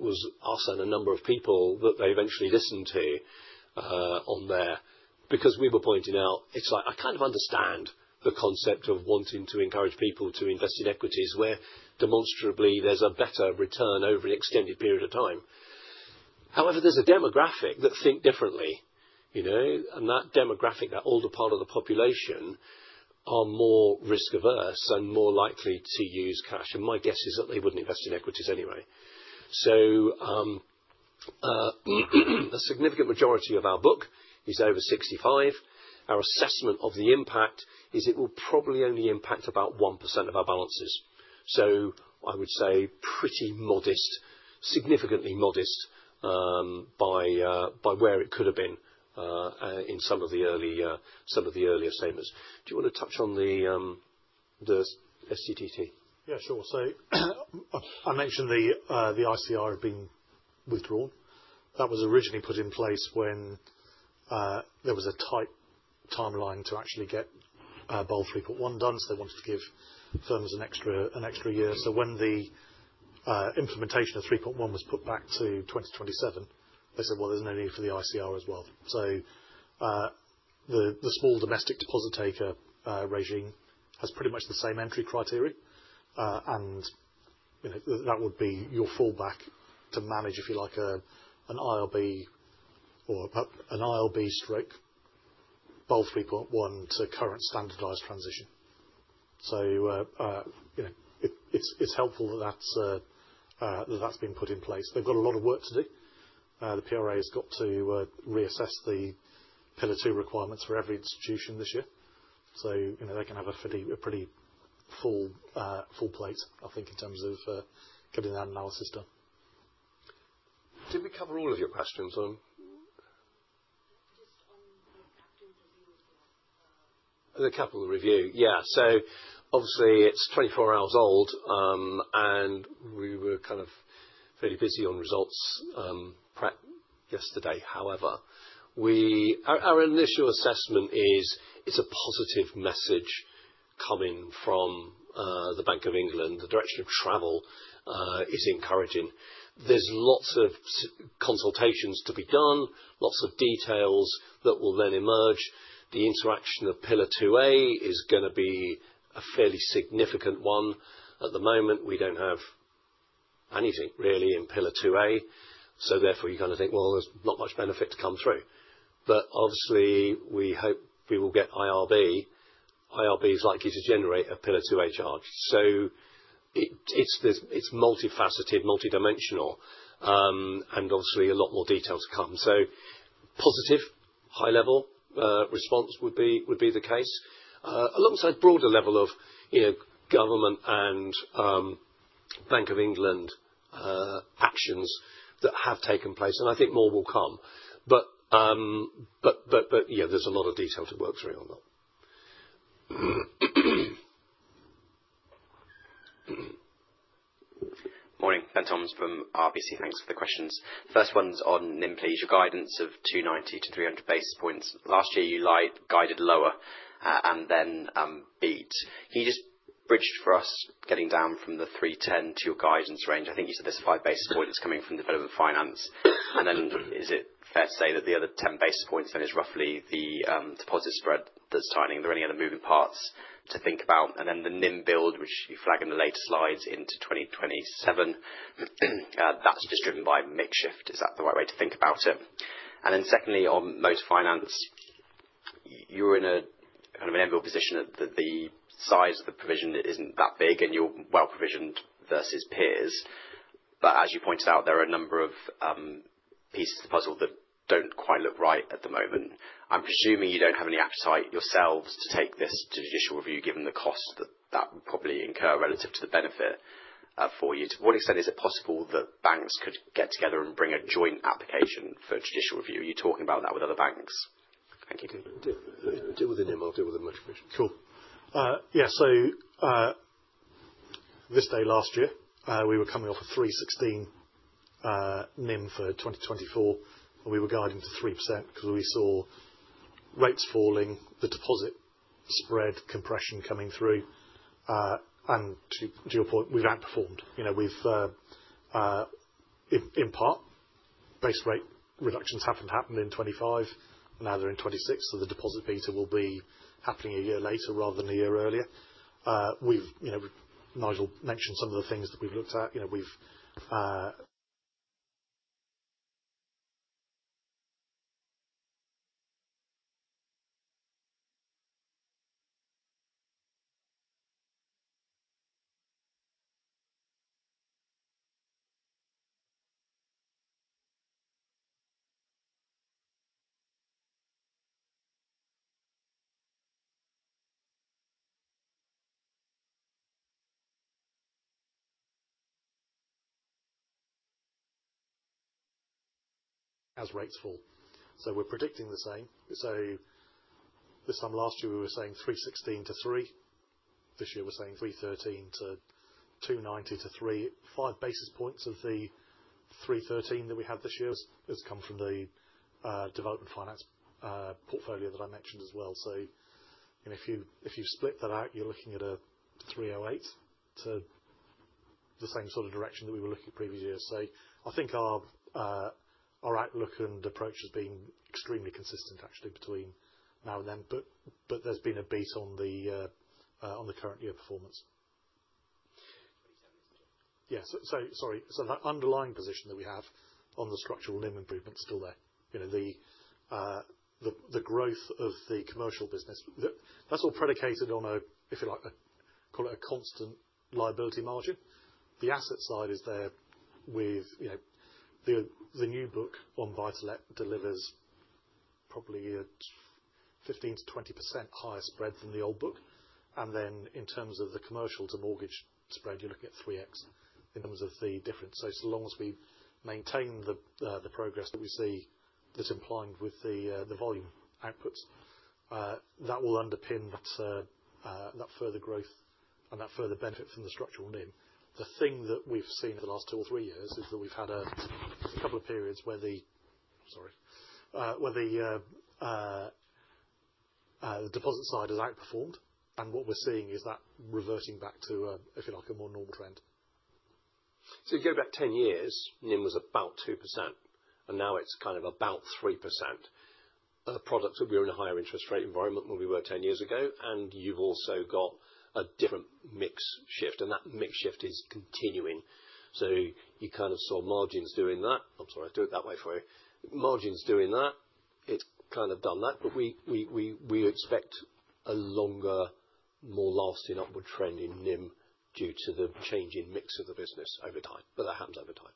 was us and a number of people that they eventually listened to on there because we were pointing out, it's like, I kind of understand the concept of wanting to encourage people to invest in equities where demonstrably there's a better return over an extended period of time. However, there's a demographic that thinks differently, and that demographic, that older part of the population, are more risk-averse and more likely to use cash. And my guess is that they wouldn't invest in equities anyway. So a significant majority of our book is over 65. Our assessment of the impact is it will probably only impact about 1% of our balances. So I would say pretty modest, significantly modest by where it could have been in some of the early statements. Do you want to touch on the SDDT? Yeah, sure. So I mentioned the ICR had been withdrawn. That was originally put in place when there was a tight timeline to actually get Basel 3.1 done, so they wanted to give firms an extra year. So when the implementation of 3.1 was put back to 2027, they said, "Well, there's no need for the ICR as well." So the small domestic deposit taker regime has pretty much the same entry criteria, and that would be your fallback to manage, if you like, an IRB strike Basel 3.1 to current standardized transition. So it's helpful that that's been put in place. They've got a lot of work to do. The PRA has got to reassess the Pillar 2 requirements for every institution this year. So they can have a pretty full plate, I think, in terms of getting that analysis done. Did we cover all of your questions? Just on the capital review as well. The capital review, yeah. So obviously, it's 24 hours old, and we were kind of fairly busy on results yesterday. However, our initial assessment is it's a positive message coming from the Bank of England. The direction of travel is encouraging. There's lots of consultations to be done, lots of details that will then emerge. The interaction of Pillar 2A is going to be a fairly significant one. At the moment, we don't have anything really in Pillar 2A. So therefore, you kind of think, "Well, there's not much benefit to come through." But obviously, we hope we will get IRB. IRB is likely to generate a Pillar 2A charge. So it's multifaceted, multidimensional, and obviously, a lot more detail to come. So, positive, high-level response would be the case, alongside broader level of government and Bank of England actions that have taken place. And I think more will come. But yeah, there's a lot of detail to work through on that. Morning. Ben Thomson from RBC. Thanks for the questions. First one's on NIM, please. Your guidance of 290 to 300 basis points. Last year, you guided lower and then beat. Can you just bridge for us getting down from the 310 to your guidance range? I think you said there's five basis points coming from development finance. And then is it fair to say that the other 10 basis points then is roughly the deposit spread that's tightening? Are there any other moving parts to think about? And then the NIM build, which you flag in the later slides into 2027, that's just driven by mix shift. Is that the right way to think about it? And then secondly, on motor finance, you're in a kind of an end-goal position that the size of the provision isn't that big, and you're well provisioned versus peers. But as you pointed out, there are a number of pieces of the puzzle that don't quite look right at the moment. I'm presuming you don't have any appetite yourselves to take this to judicial review given the cost that that would probably incur relative to the benefit for you. To what extent is it possible that banks could get together and bring a joint application for judicial review? Are you talking about that with other banks? Thank you. Deal with the NIM. I'll deal with the motor commission. Sure. Yeah. This day last year, we were coming off of 3.16% NIM for 2024, and we were guiding to 3% because we saw rates falling, the deposit spread compression coming through. To your point, we've outperformed. In part, base rate reductions haven't happened in 2025. Now they're in 2026, so the deposit beta will be happening a year later rather than a year earlier. As Nigel mentioned some of the things that we've looked at. As rates fall, so we're predicting the same. This time last year, we were saying 3.16%-3%. This year, we're saying 3.13%-2.90%-3%. Five basis points of the 3.13% that we had this year has come from the development finance portfolio that I mentioned as well. So if you split that out, you're looking at a 308 to the same sort of direction that we were looking at previous years. I think our outlook and approach has been extremely consistent, actually, between now and then, but there's been a beat on the current year performance. 317. That underlying position that we have on the structural NIM improvement is still there. The growth of the commercial business, that's all predicated on a, if you like, call it a constant liability margin. The asset side is there with the new book on buy-to-let delivers probably a 15%-20% higher spread than the old book. And then in terms of the commercial to mortgage spread, you're looking at 3X in terms of the difference. So as long as we maintain the progress that we see that's implying with the volume outputs, that will underpin that further growth and that further benefit from the structural NIM. The thing that we've seen the last two or three years is that we've had a couple of periods where the deposit side has outperformed, and what we're seeing is that reverting back to, if you like, a more normal trend, so if you go back 10 years, NIM was about 2%, and now it's kind of about 3%. Products that were in a higher interest rate environment than we were 10 years ago, and you've also got a different mix shift, and that mix shift is continuing, so you kind of saw margins doing that. I'm sorry. I'll do it that way for you. Margins doing that, it's kind of done that, but we expect a longer, more lasting upward trend in NIM due to the change in mix of the business over time. But that happens over time.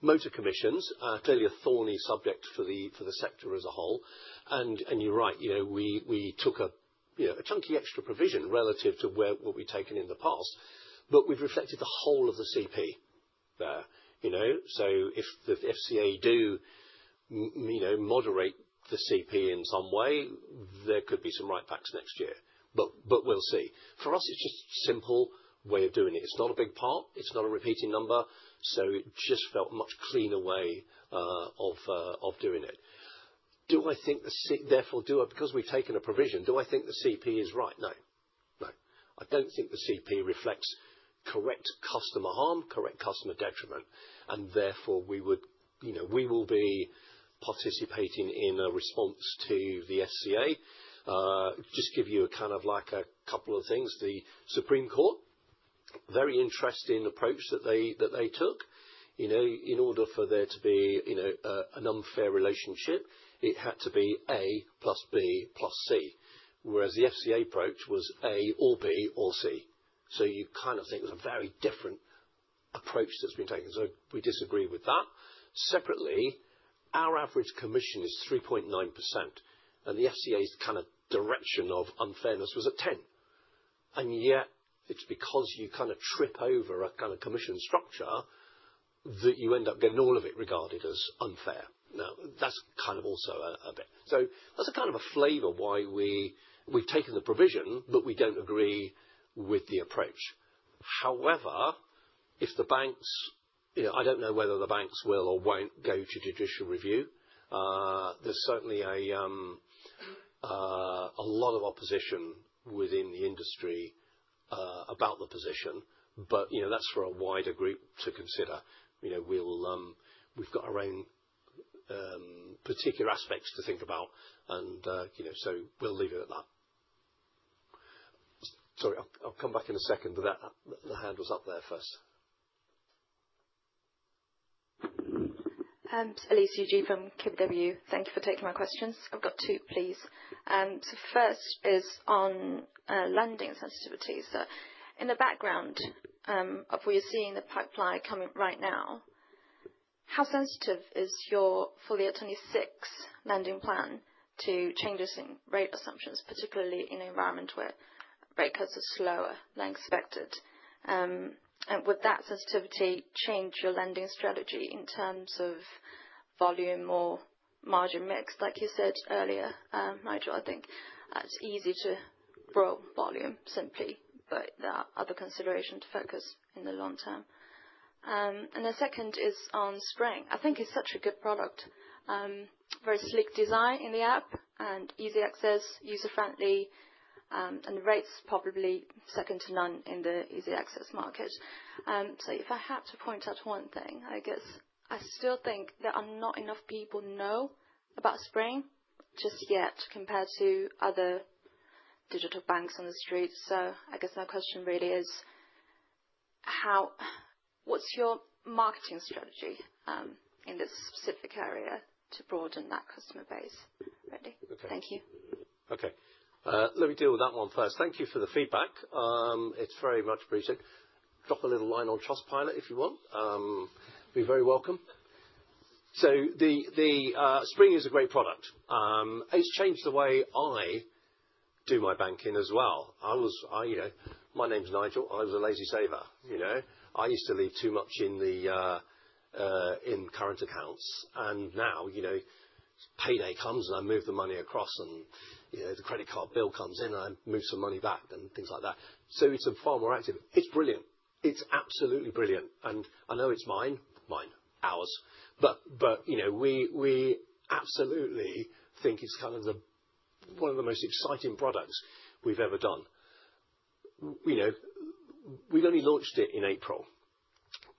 Motor commissions, clearly a thorny subject for the sector as a whole. And you're right. We took a chunky extra provision relative to what we've taken in the past, but we've reflected the whole of the CP there. So if the FCA do moderate the CP in some way, there could be some write-backs next year. But we'll see. For us, it's just a simple way of doing it. It's not a big part. It's not a repeating number. So it just felt a much cleaner way of doing it. Do I think the CP, therefore, do I, because we've taken a provision, do I think the CP is right? No. No. I don't think the CP reflects correct customer harm, correct customer detriment, and therefore, we will be participating in a response to the FCA. Just give you kind of like a couple of things. The Supreme Court, very interesting approach that they took. In order for there to be an unfair relationship, it had to be A plus B plus C, whereas the FCA approach was A or B or C. So you kind of think there's a very different approach that's been taken, so we disagree with that. Separately, our average commission is 3.9%, and the FCA's kind of direction of unfairness was at 10%. And yet, it's because you kind of trip over a kind of commission structure that you end up getting all of it regarded as unfair. Now, that's kind of also a bit. So that's a kind of a flavor why we've taken the provision, but we don't agree with the approach. However, if the banks, I don't know whether the banks will or won't go to judicial review. There's certainly a lot of opposition within the industry about the position, but that's for a wider group to consider. We've got our own particular aspects to think about, and so we'll leave it at that. Sorry, I'll come back in a second, but the hand was up there first. Elise Eugene from KBW. Thank you for taking my questions. I've got two, please. So first is on lending sensitivities. In the background of what you're seeing in the pipeline coming right now, how sensitive is your 4826 lending plan to changes in rate assumptions, particularly in an environment where rate cuts are slower than expected? Would that sensitivity change your lending strategy in terms of volume or margin mix? Like you said earlier, Nigel, I think that's easy to grow volume simply, but there are other considerations to focus on in the long term. The second is on Spring. I think it's such a good product. Very sleek design in the app and easy access, user-friendly, and the rate's probably second to none in the easy access market. If I had to point out one thing, I guess I still think there are not enough people who know about Spring just yet compared to other digital banks on the street. I guess my question really is, what's your marketing strategy in this specific area to broaden that customer base? Ready? Thank you. Okay. Let me deal with that one first. Thank you for the feedback. It's very much appreciated. Drop a little line on Trustpilot if you want. Be very welcome. So the Spring is a great product. It's changed the way I do my banking as well. My name's Nigel. I was a lazy saver. I used to leave too much in current accounts. And now payday comes, and I move the money across, and the credit card bill comes in, and I move some money back and things like that. So it's far more active. It's brilliant. It's absolutely brilliant. And I know it's mine. Mine. Ours. But we absolutely think it's kind of one of the most exciting products we've ever done. We've only launched it in April.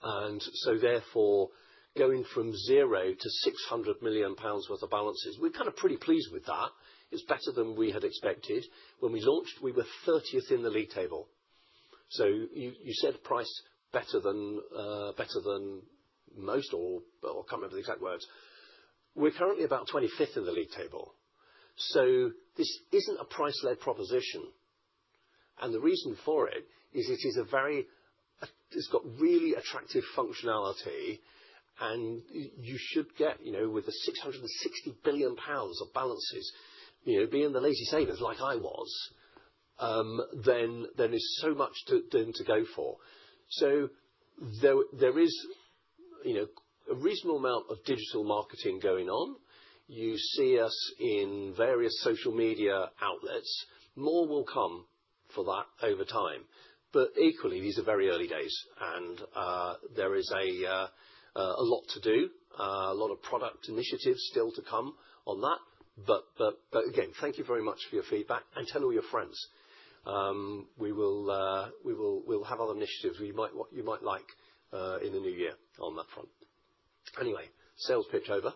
And so therefore, going from zero to 600 million pounds worth of balances, we're kind of pretty pleased with that. It's better than we had expected. When we launched, we were 30th in the league table. So you said priced better than most or can't remember the exact words. We're currently about 25th in the league table. So this isn't a price-led proposition. And the reason for it is it's got really attractive functionality, and you should get with the 660 billion pounds of balances, being the lazy savers like I was, then there's so much to go for. So there is a reasonable amount of digital marketing going on. You see us in various social media outlets. More will come for that over time. But equally, these are very early days, and there is a lot to do, a lot of product initiatives still to come on that. But again, thank you very much for your feedback, and tell all your friends. We will have other initiatives you might like in the new year on that front. Anyway, sales pitch over.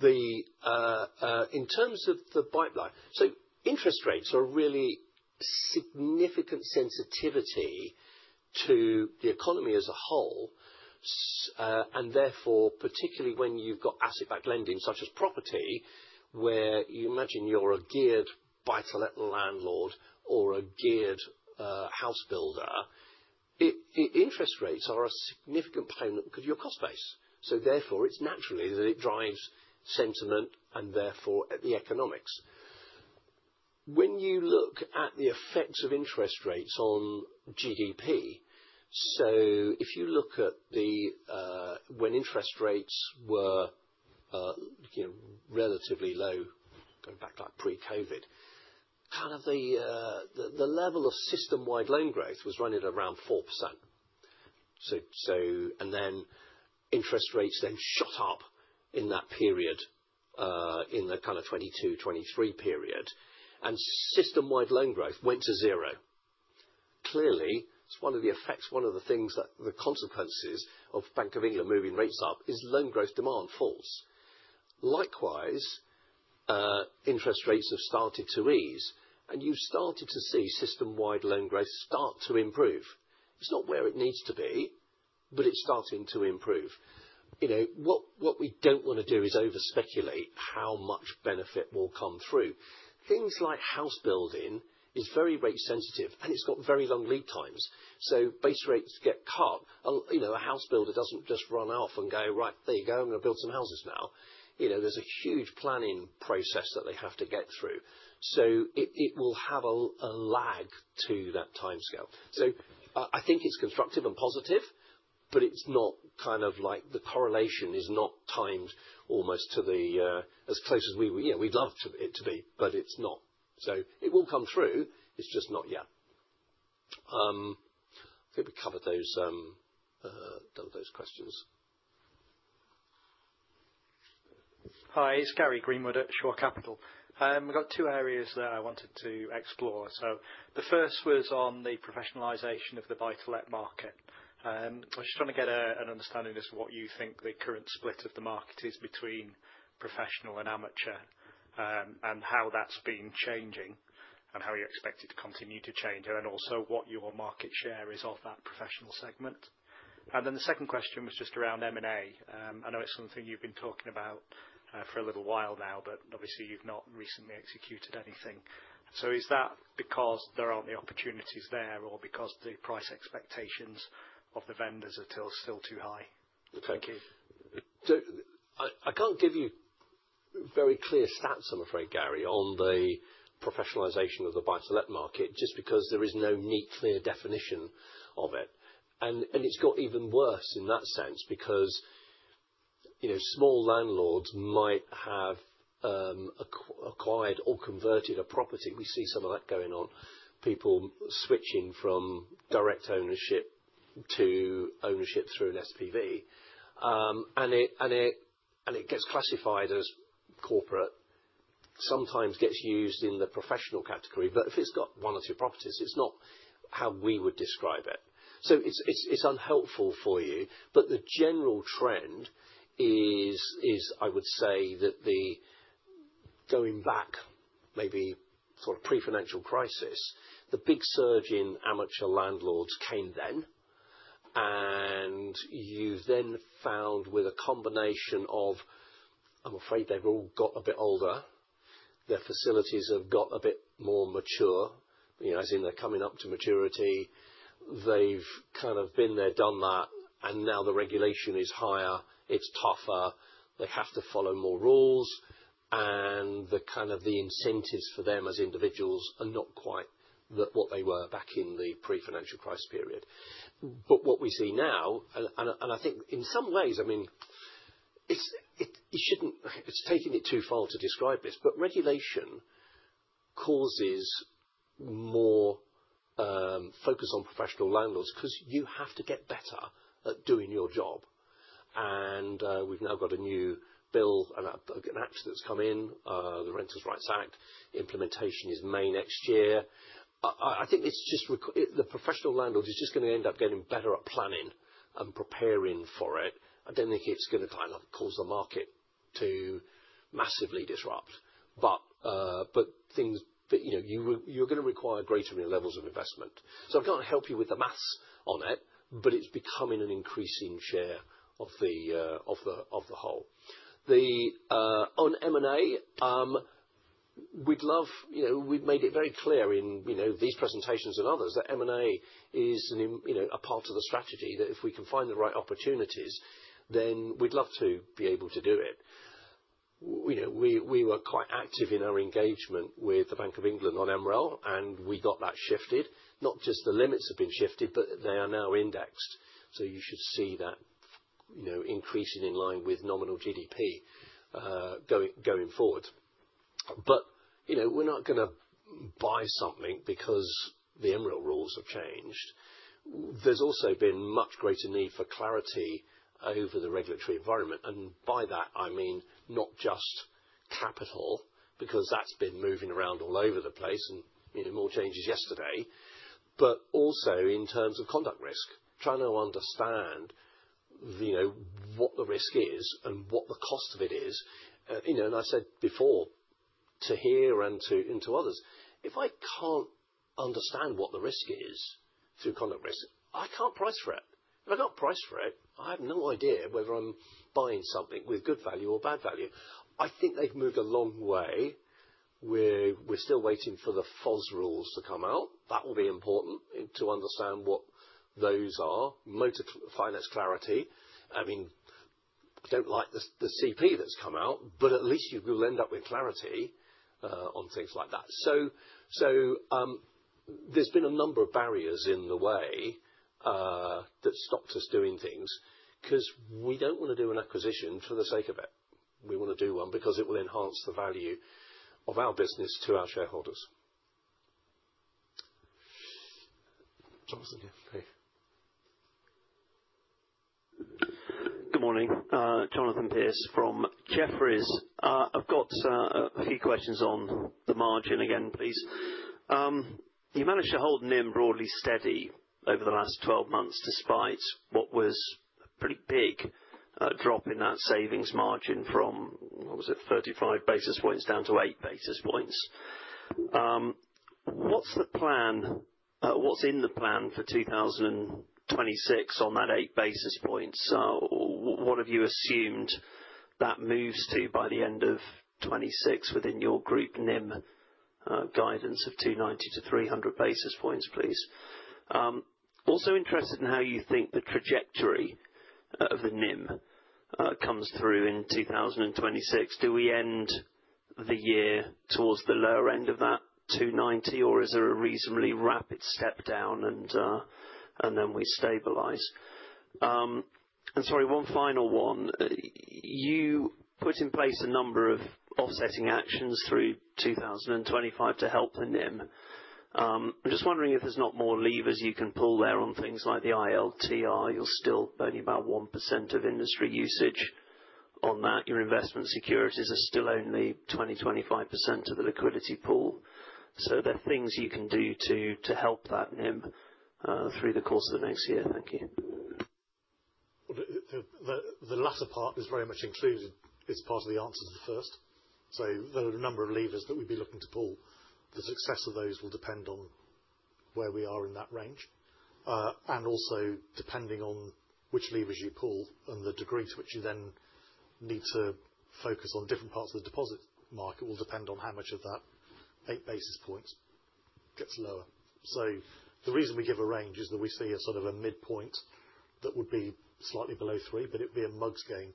In terms of the pipeline, so interest rates are a really significant sensitivity to the economy as a whole, and therefore, particularly when you've got asset-backed lending such as property, where you imagine you're a geared buy-to-let landlord or a geared house builder, interest rates are a significant component because of your cost base, so therefore, it's natural that it drives sentiment and therefore the economics. When you look at the effects of interest rates on GDP, so if you look at when interest rates were relatively low, going back like pre-COVID, kind of the level of system-wide loan growth was running at around 4%, and then interest rates then shot up in that period, in the kind of 2022, 2023 period, and system-wide loan growth went to zero. Clearly, it's one of the effects, one of the things that the consequences of Bank of England moving rates up is loan growth demand falls. Likewise, interest rates have started to ease, and you've started to see system-wide loan growth start to improve. It's not where it needs to be, but it's starting to improve. What we don't want to do is overspeculate how much benefit will come through. Things like house building is very rate sensitive, and it's got very long lead times. So base rates get cut. A house builder doesn't just run off and go, "Right, there you go. I'm going to build some houses now." There's a huge planning process that they have to get through. So it will have a lag to that timescale. I think it's constructive and positive, but it's not kind of like the correlation is not timed almost as close as we'd love it to be, but it's not. It will come through. It's just not yet. I think we covered those questions. Hi, it's Gary Greenwood at Shore Capital. We've got two areas that I wanted to explore. The first was on the professionalization of the buy-to-let market. I was just trying to get an understanding as to what you think the current split of the market is between professional and amateur and how that's been changing and how you expect it to continue to change and also what your market share is of that professional segment. The second question was just around M&A. I know it's something you've been talking about for a little while now, but obviously, you've not recently executed anything. So is that because there aren't the opportunities there or because the price expectations of the vendors are still too high? Thank you. I can't give you very clear stats, I'm afraid, Gary, on the professionalization of the buy-to-let market just because there is no neat clear definition of it, and it's got even worse in that sense because small landlords might have acquired or converted a property. We see some of that going on, people switching from direct ownership to ownership through an SPV, and it gets classified as corporate, sometimes gets used in the professional category, but if it's got one or two properties, it's not how we would describe it. It's unhelpful for you, but the general trend is, I would say, that going back maybe sort of pre-financial crisis, the big surge in amateur landlords came then, and you've then found with a combination of, I'm afraid they've all got a bit older, their facilities have got a bit more mature, as in they're coming up to maturity, they've kind of been there, done that, and now the regulation is higher, it's tougher, they have to follow more rules, and kind of the incentives for them as individuals are not quite what they were back in the pre-financial crisis period. But what we see now, and I think in some ways, I mean, it's taking it too far to describe this, but regulation causes more focus on professional landlords because you have to get better at doing your job. We've now got a new bill, an act that's come in, the Renters' Rights Act. Implementation is May next year. I think it's just the professional landlord is just going to end up getting better at planning and preparing for it. I don't think it's going to kind of cause the market to massively disrupt, but things you're going to require greater levels of investment, so I can't help you with the math on it, but it's becoming an increasing share of the whole. On M&A, we'd love. We've made it very clear in these presentations and others that M&A is a part of the strategy that if we can find the right opportunities, then we'd love to be able to do it. We were quite active in our engagement with the Bank of England on MREL, and we got that shifted. Not just the limits have been shifted, but they are now indexed. So you should see that increasing in line with nominal GDP going forward. We're not going to buy something because the Emerel rules have changed. There's also been much greater need for clarity over the regulatory environment. By that, I mean not just capital because that's been moving around all over the place and more changes yesterday, but also in terms of conduct risk. Trying to understand what the risk is and what the cost of it is. I said before to here and to others, if I can't understand what the risk is through conduct risk, I can't price for it. If I can't price for it, I have no idea whether I'm buying something with good value or bad value. I think they've moved a long way. We're still waiting for the FOS rules to come out. That will be important to understand what those are. Motor finance clarity. I mean, I don't like the CP that's come out, but at least you will end up with clarity on things like that. So there's been a number of barriers in the way that stopped us doing things because we don't want to do an acquisition for the sake of it. We want to do one because it will enhance the value of our business to our shareholders. Jonathan Pierce. Good morning. Jonathan Pierce from Jefferies. I've got a few questions on the margin again, please. You managed to hold NIM broadly steady over the last 12 months despite what was a pretty big drop in that savings margin from, what was it, 35 basis points down to eight basis points. What's the plan? What's in the plan for 2026 on that 8 basis points? What have you assumed that moves to by the end of 2026 within your group NIM guidance of 290-300 basis points, please? Also interested in how you think the trajectory of the NIM comes through in 2026. Do we end the year towards the lower end of that 290, or is there a reasonably rapid step down and then we stabilise? And sorry, one final one. You put in place a number of offsetting actions through 2025 to help the NIM. I'm just wondering if there's not more levers you can pull there on things like the ILTR. You're still only about 1% of industry usage on that. Your investment securities are still only 20%-25% of the liquidity pool. So there are things you can do to help that NIM through the course of the next year. Thank you. The latter part is very much included as part of the answer to the first. So there are a number of levers that we'd be looking to pull. The success of those will depend on where we are in that range. And also depending on which levers you pull and the degree to which you then need to focus on different parts of the deposit market will depend on how much of that eight basis points gets lower. So the reason we give a range is that we see a sort of a midpoint that would be slightly below three, but it would be a mug's game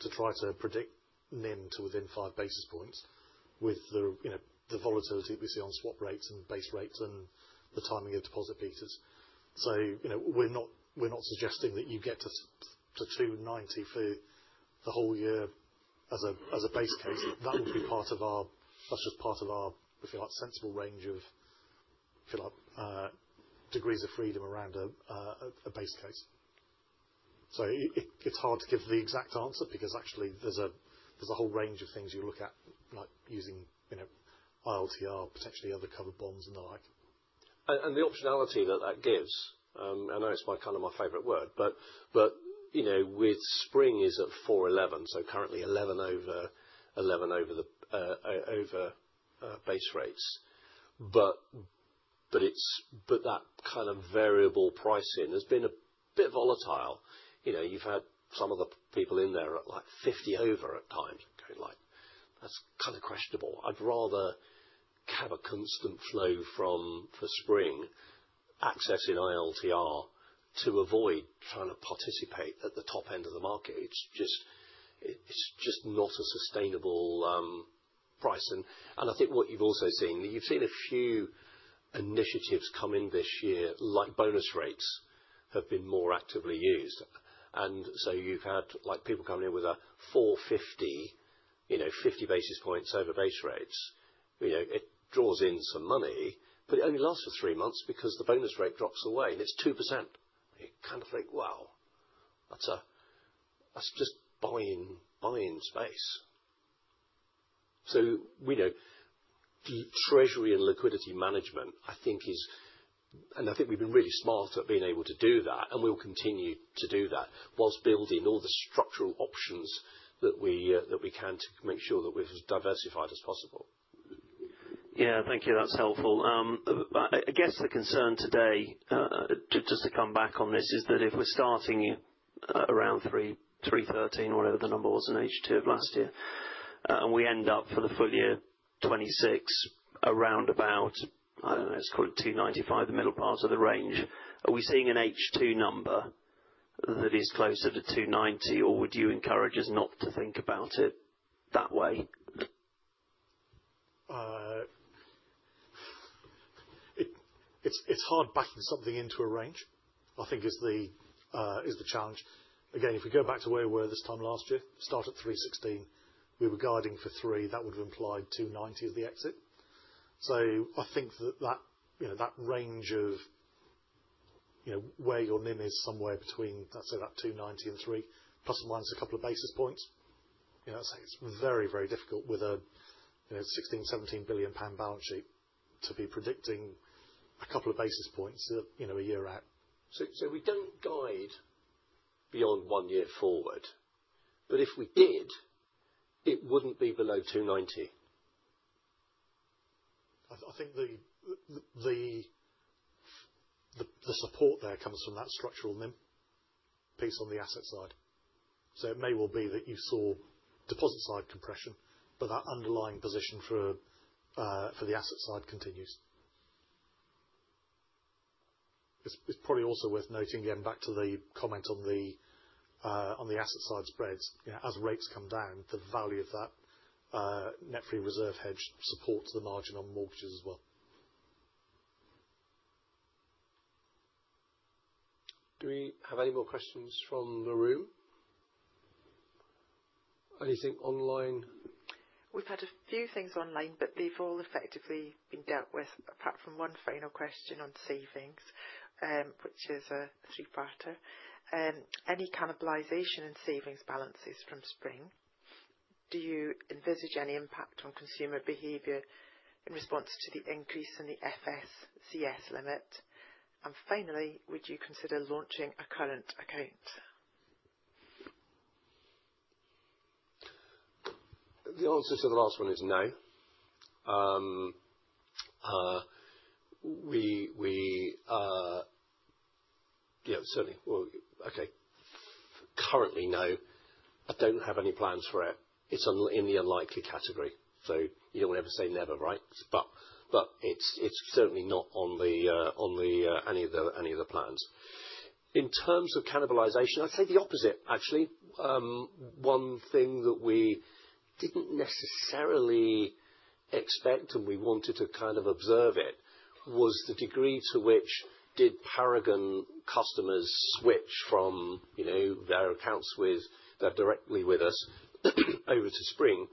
to try to predict NIM to within five basis points with the volatility that we see on swap rates and base rates and the timing of deposit betas. So we're not suggesting that you get to 290 for the whole year as a base case. That would be part of our that's just part of our, if you like, sensible range of, if you like, degrees of freedom around a base case. So it's hard to give the exact answer because actually there's a whole range of things you look at using ILTR, potentially other covered bonds and the like. The optionality that that gives, I know it's kind of my favorite word, but with Spring is at 4.11, so currently 11 over 11 over base rates. But that kind of variable pricing has been a bit volatile. You've had some of the people in there at like 50 over at times, going like, "That's kind of questionable." I'd rather have a constant flow from for Spring accessing ILTR to avoid trying to participate at the top end of the market. It's just not a sustainable price. And I think what you've also seen, you've seen a few initiatives come in this year like bonus rates have been more actively used. And so you've had people coming in with a 4.50, 50 basis points over base rates. It draws in some money, but it only lasts for three months because the bonus rate drops away and it's 2%. You're kind of like, "Wow, that's just buying space." So treasury and liquidity management, I think, is, and I think we've been really smart at being able to do that, and we'll continue to do that whilst building all the structural options that we can to make sure that we're as diversified as possible. Yeah, thank you. That's helpful. I guess the concern today, just to come back on this, is that if we're starting around 313, whatever the number was in H2 of last year, and we end up for the full year 2026 around about, I don't know, let's call it 295, the middle part of the range, are we seeing an H2 number that is closer to 290, or would you encourage us not to think about it that way? It's hard backing something into a range, I think, is the challenge. Again, if we go back to where we were this time last year, start at 316, we were guiding for 3, that would have implied 290 as the exit. So I think that that range of where your NIM is somewhere between, let's say, that 290 and 3, plus or minus a couple of basis points. It's very, very difficult with a 16-17 billion pound balance sheet to be predicting a couple of basis points a year out. So we don't guide beyond one year forward, but if we did, it wouldn't be below 290. I think the support there comes from that structural NIM piece on the asset side. So it may well be that you saw deposit side compression, but that underlying position for the asset side continues. It's probably also worth noting, again, back to the comment on the asset side spreads, as rates come down, the value of that net free reserve hedge supports the margin on mortgages as well. Do we have any more questions from the room? Anything online? We've had a few things online, but they've all effectively been dealt with apart from one final question on savings, which is a three-parter. Any cannibalization in savings balances from Spring? Do you envisage any impact on consumer behavior in response to the increase in the FSCS limit? And finally, would you consider launching a current account? The answer to the last one is no. Yeah, certainly. Okay. Currently, no. I don't have any plans for it. It's in the unlikely category. So you don't want to ever say never, right? But it's certainly not on any of the plans. In terms of cannibalization, I'd say the opposite, actually. One thing that we didn't necessarily expect and we wanted to kind of observe it was the degree to which did Paragon customers switch from their accounts directly with us over to Spring.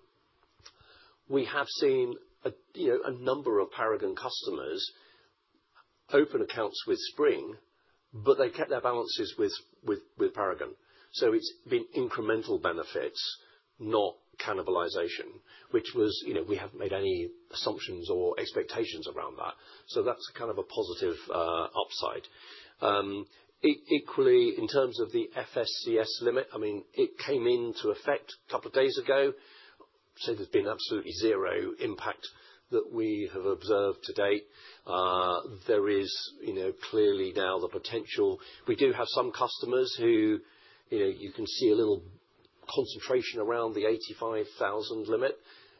We have seen a number of Paragon customers open accounts with Spring, but they kept their balances with Paragon. So it's been incremental benefits, not cannibalization, which was we haven't made any assumptions or expectations around that. So that's kind of a positive upside. Equally, in terms of the FSCS limit, I mean, it came into effect a couple of days ago. So there's been absolutely zero impact that we have observed to date. There is clearly now the potential. We do have some customers who you can see a little concentration around the 85,000 limit.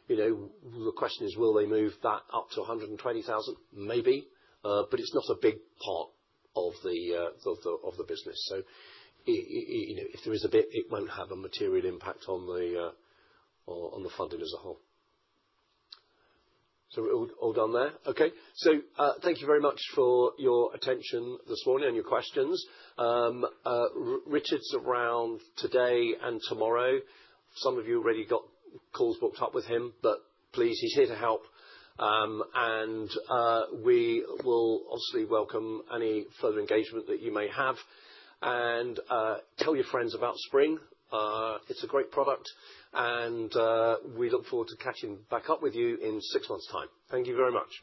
The question is, will they move that up to 120,000? Maybe. But it's not a big part of the business. So if there is a bit, it won't have a material impact on the funding as a whole. So all done there? Okay. So thank you very much for your attention this morning and your questions. Richard's around today and tomorrow. Some of you already got calls booked up with him, but please, he's here to help. And we will obviously welcome any further engagement that you may have. And tell your friends about Spring. It's a great product. And we look forward to catching back up with you in six months' time. Thank you very much.